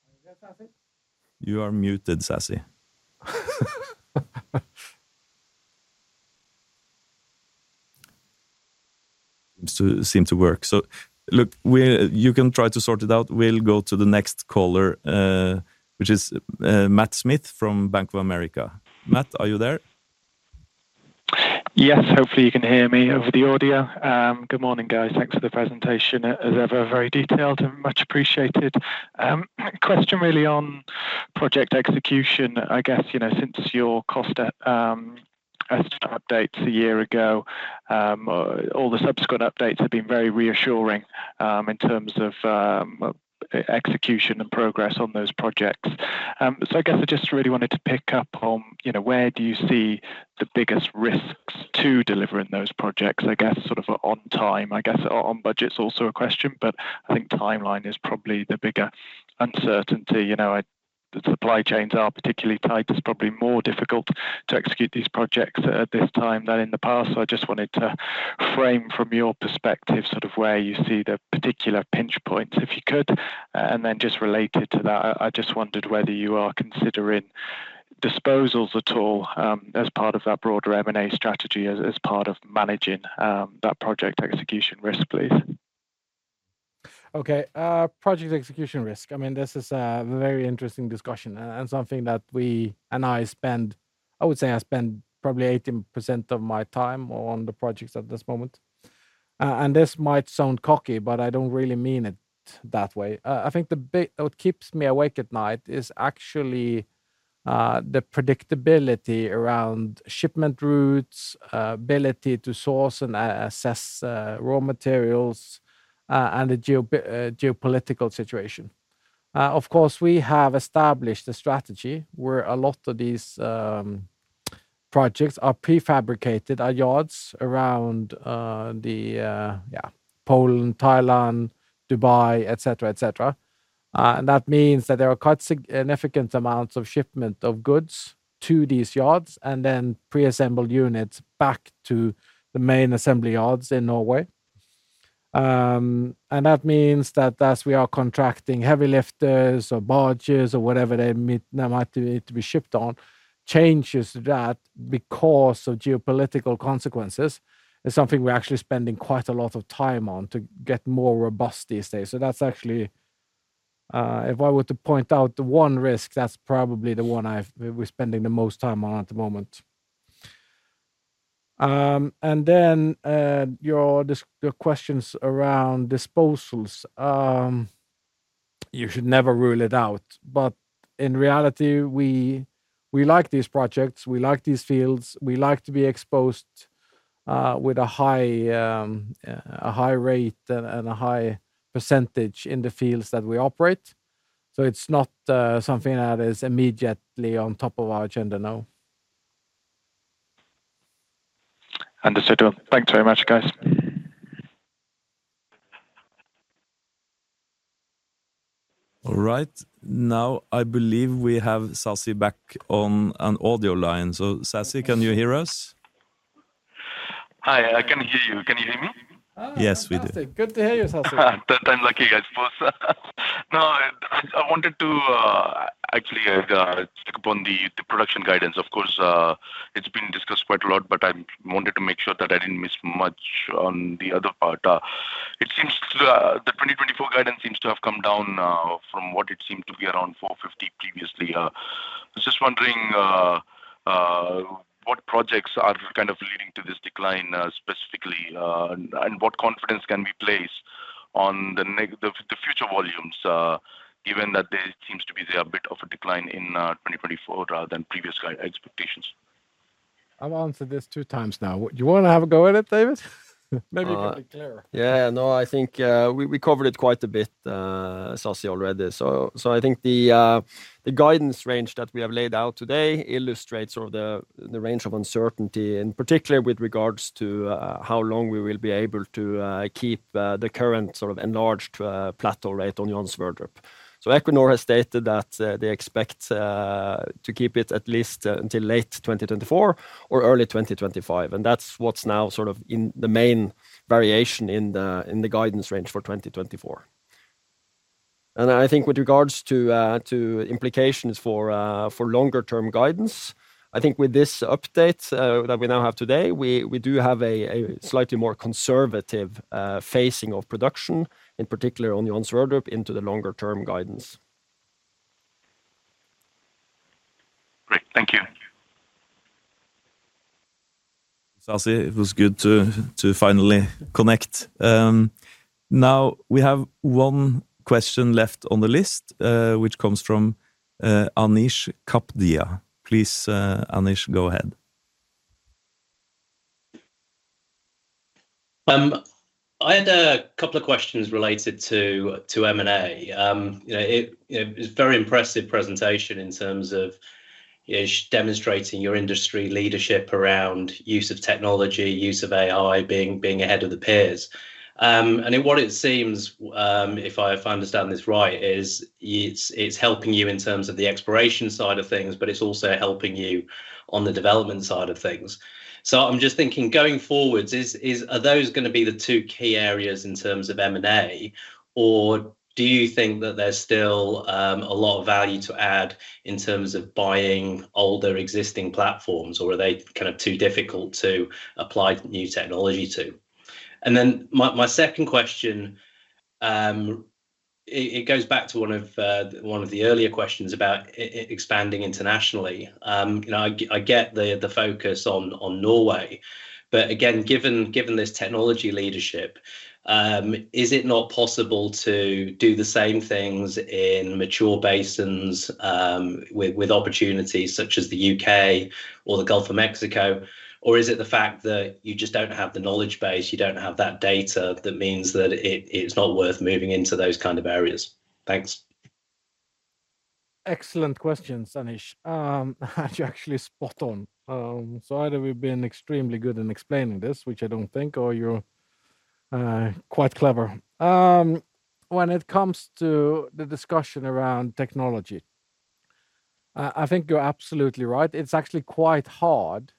You there, Sasi? You are muted, Sasi. Seems to work. So look, you can try to sort it out. We'll go to the next caller, which is Matt Smith from Bank of America. Matt, are you there? Yes. Hopefully, you can hear me over the audio. Good morning, guys. Thanks for the presentation. As ever, very detailed and much appreciated. Question really on project execution. I guess, you know, since your cost estimate updates a year ago, all the subsequent updates have been very reassuring, in terms of, execution and progress on those projects. So I guess I just really wanted to pick up on, you know, where do you see the biggest risks to delivering those projects? I guess, sort of, on time, I guess on budget is also a question, but I think timeline is probably the bigger uncertainty. You know, the supply chains are particularly tight. It's probably more difficult to execute these projects at this time than in the past. So I just wanted to frame from your perspective, sort of where you see the particular pinch points, if you could. And then just related to that, I just wondered whether you are considering disposals at all, as part of that broader M&A strategy, as part of managing that project execution risk, please. Okay, project execution risk. I mean, this is a very interesting discussion and something that we and I spend—I would say I spend probably 80% of my time on the projects at this moment. And this might sound cocky, but I don't really mean it that way. I think the bit what keeps me awake at night is actually the predictability around shipment routes, ability to source and assess raw materials, and the geopolitical situation. Of course, we have established a strategy where a lot of these projects are prefabricated at yards around Poland, Thailand, Dubai, et cetera, et cetera. That means that there are quite significant amounts of shipment of goods to these yards, and then preassembled units back to the main assembly yards in Norway. And that means that as we are contracting heavy lifters or barges or whatever they need, they might need to be shipped on. Changes that because of geopolitical consequences is something we're actually spending quite a lot of time on to get more robust these days. So that's actually, if I were to point out the one risk, that's probably the one we're spending the most time on at the moment. And then, your questions around disposals. You should never rule it out, but in reality, we, we like these projects, we like these fields. We like to be exposed with a high, a high rate and a high percentage in the fields that we operate. So it's not something that is immediately on top of our agenda, no. Understood. Well, thanks very much, guys. All right. Now, I believe we have Sasi back on audio line. So Sasi, can you hear us? Hi, I can hear you. Can you hear me? Yes, we do. Ah, fantastic. Good to hear you, Sasi. Third time lucky, I suppose. No, I wanted to actually check up on the production guidance. Of course, it's been discussed quite a lot, but I wanted to make sure that I didn't miss much on the other part. It seems the 2024 guidance seems to have come down from what it seemed to be around 450 previously. I was just wondering what projects are kind of leading to this decline specifically, and what confidence can we place on the future volumes given that there seems to be a bit of a decline in 2024 rather than previous guide expectations? I've answered this two times now. Do you wanna have a go at it, David? Maybe you can be clear. Yeah. No, I think we covered it quite a bit, Sasi, already. So I think the guidance range that we have laid out today illustrates all the range of uncertainty, and particularly with regards to how long we will be able to keep the current sort of enlarged plateau rate on Johan Sverdrup. So Equinor has stated that they expect to keep it at least until late 2024 or early 2025, and that's what's now sort of in the main variation in the guidance range for 2024. I think with regards to implications for longer term guidance, I think with this update that we now have today, we do have a slightly more conservative phasing of production, in particular on Johan Sverdrup, into the longer term guidance. Great. Thank you. Sasi, it was good to finally connect. Now, we have one question left on the list, which comes from Anish Kapadia. Please, Anish, go ahead. I had a couple of questions related to M&A. You know, it was very impressive presentation in terms of demonstrating your industry leadership around use of technology, use of AI, being ahead of the peers. And what it seems, if I understand this right, is it's helping you in terms of the exploration side of things, but it's also helping you on the development side of things. So I'm just thinking, going forwards, are those gonna be the two key areas in terms of M&A, or do you think that there's still a lot of value to add in terms of buying older existing platforms, or are they kind of too difficult to apply new technology to? And then my second question, it goes back to one of the earlier questions about expanding internationally. You know, I get the focus on Norway, but again, given this technology leadership, is it not possible to do the same things in mature basins with opportunities such as the UK or the Gulf of Mexico? Or is it the fact that you just don't have the knowledge base, you don't have that data, that means that it's not worth moving into those kind of areas? Thanks. Excellent questions, Anish. You're actually spot on. So either we've been extremely good in explaining this, which I don't think, or you're quite clever. When it comes to the discussion around technology, I think you're absolutely right. It's actually quite hard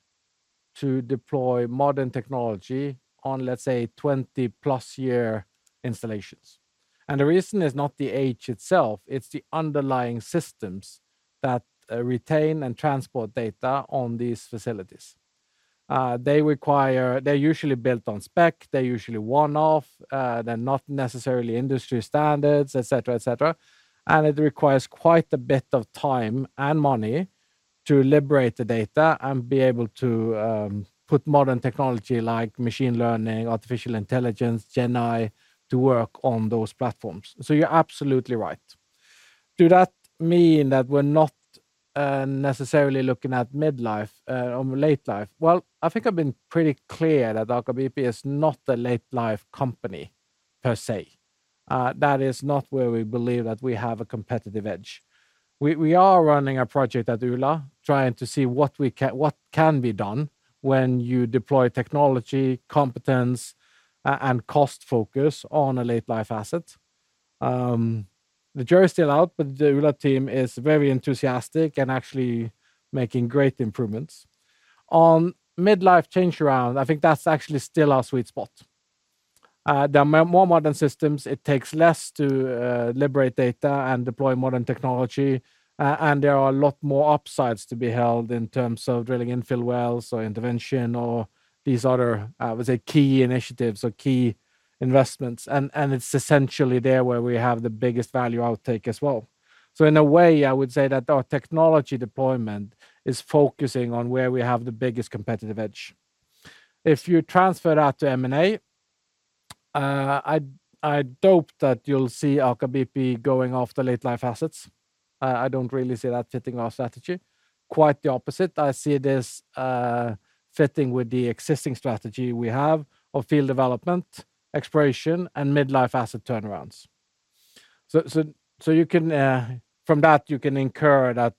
to deploy modern technology on, let's say, 20+ year installations. And the reason is not the age itself, it's the underlying systems that retain and transport data on these facilities. They require. They're usually built on spec, they're usually one-off, they're not necessarily industry standards, et cetera, et cetera, and it requires quite a bit of time and money to liberate the data and be able to put modern technology like machine learning, artificial intelligence, GenAI, to work on those platforms. So you're absolutely right. Do that mean that we're not necessarily looking at mid-life or late life? Well, I think I've been pretty clear that Aker BP is not a late-life company, per se. That is not where we believe that we have a competitive edge. We are running a project at Ula, trying to see what we can—what can be done when you deploy technology, competence, and cost focus on a late life asset. The jury is still out, but the Ula team is very enthusiastic and actually making great improvements... On mid-life change around, I think that's actually still our sweet spot. There are more modern systems. It takes less to liberate data and deploy modern technology, and there are a lot more upsides to be held in terms of drilling infill wells or intervention or these other, I would say, key initiatives or key investments. It's essentially there where we have the biggest value outtake as well. So in a way, I would say that our technology deployment is focusing on where we have the biggest competitive edge. If you transfer that to M&A, I doubt that you'll see Aker BP going after late life assets. I don't really see that fitting our strategy. Quite the opposite, I see this fitting with the existing strategy we have of field development, exploration, and mid-life asset turnarounds. So you can from that, you can infer that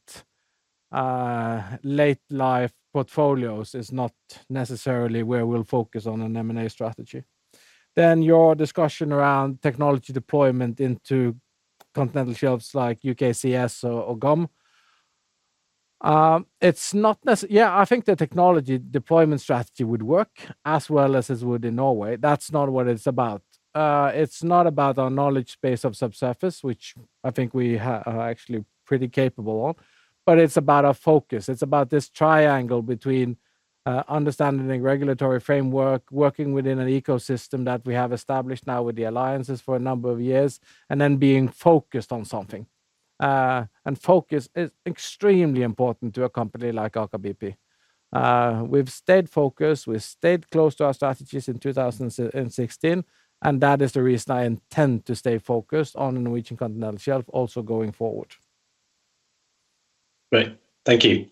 late-life portfolios is not necessarily where we'll focus on an M&A strategy. Then your discussion around technology deployment into continental shelves like UKCS, or GOM, it's not necessarily. Yeah, I think the technology deployment strategy would work as well as it would in Norway. That's not what it's about. It's not about our knowledge base of subsurface, which I think we are actually pretty capable of, but it's about our focus. It's about this triangle between, understanding regulatory framework, working within an ecosystem that we have established now with the alliances for a number of years, and then being focused on something. And focus is extremely important to a company like Aker BP. We've stayed focused, we've stayed close to our strategies in 2016, and that is the reason I intend to stay focused on the Norwegian Continental Shelf also going forward. Great. Thank you.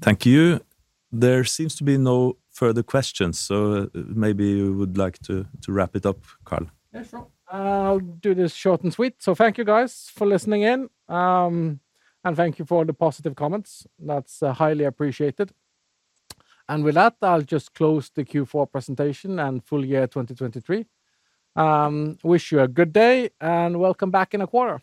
Thank you. There seems to be no further questions, so maybe you would like to wrap it up, Karl? Yeah, sure. I'll do this short and sweet. So thank you, guys, for listening in. And thank you for all the positive comments. That's highly appreciated. And with that, I'll just close the Q4 presentation and full year 2023. Wish you a good day, and welcome back in a quarter.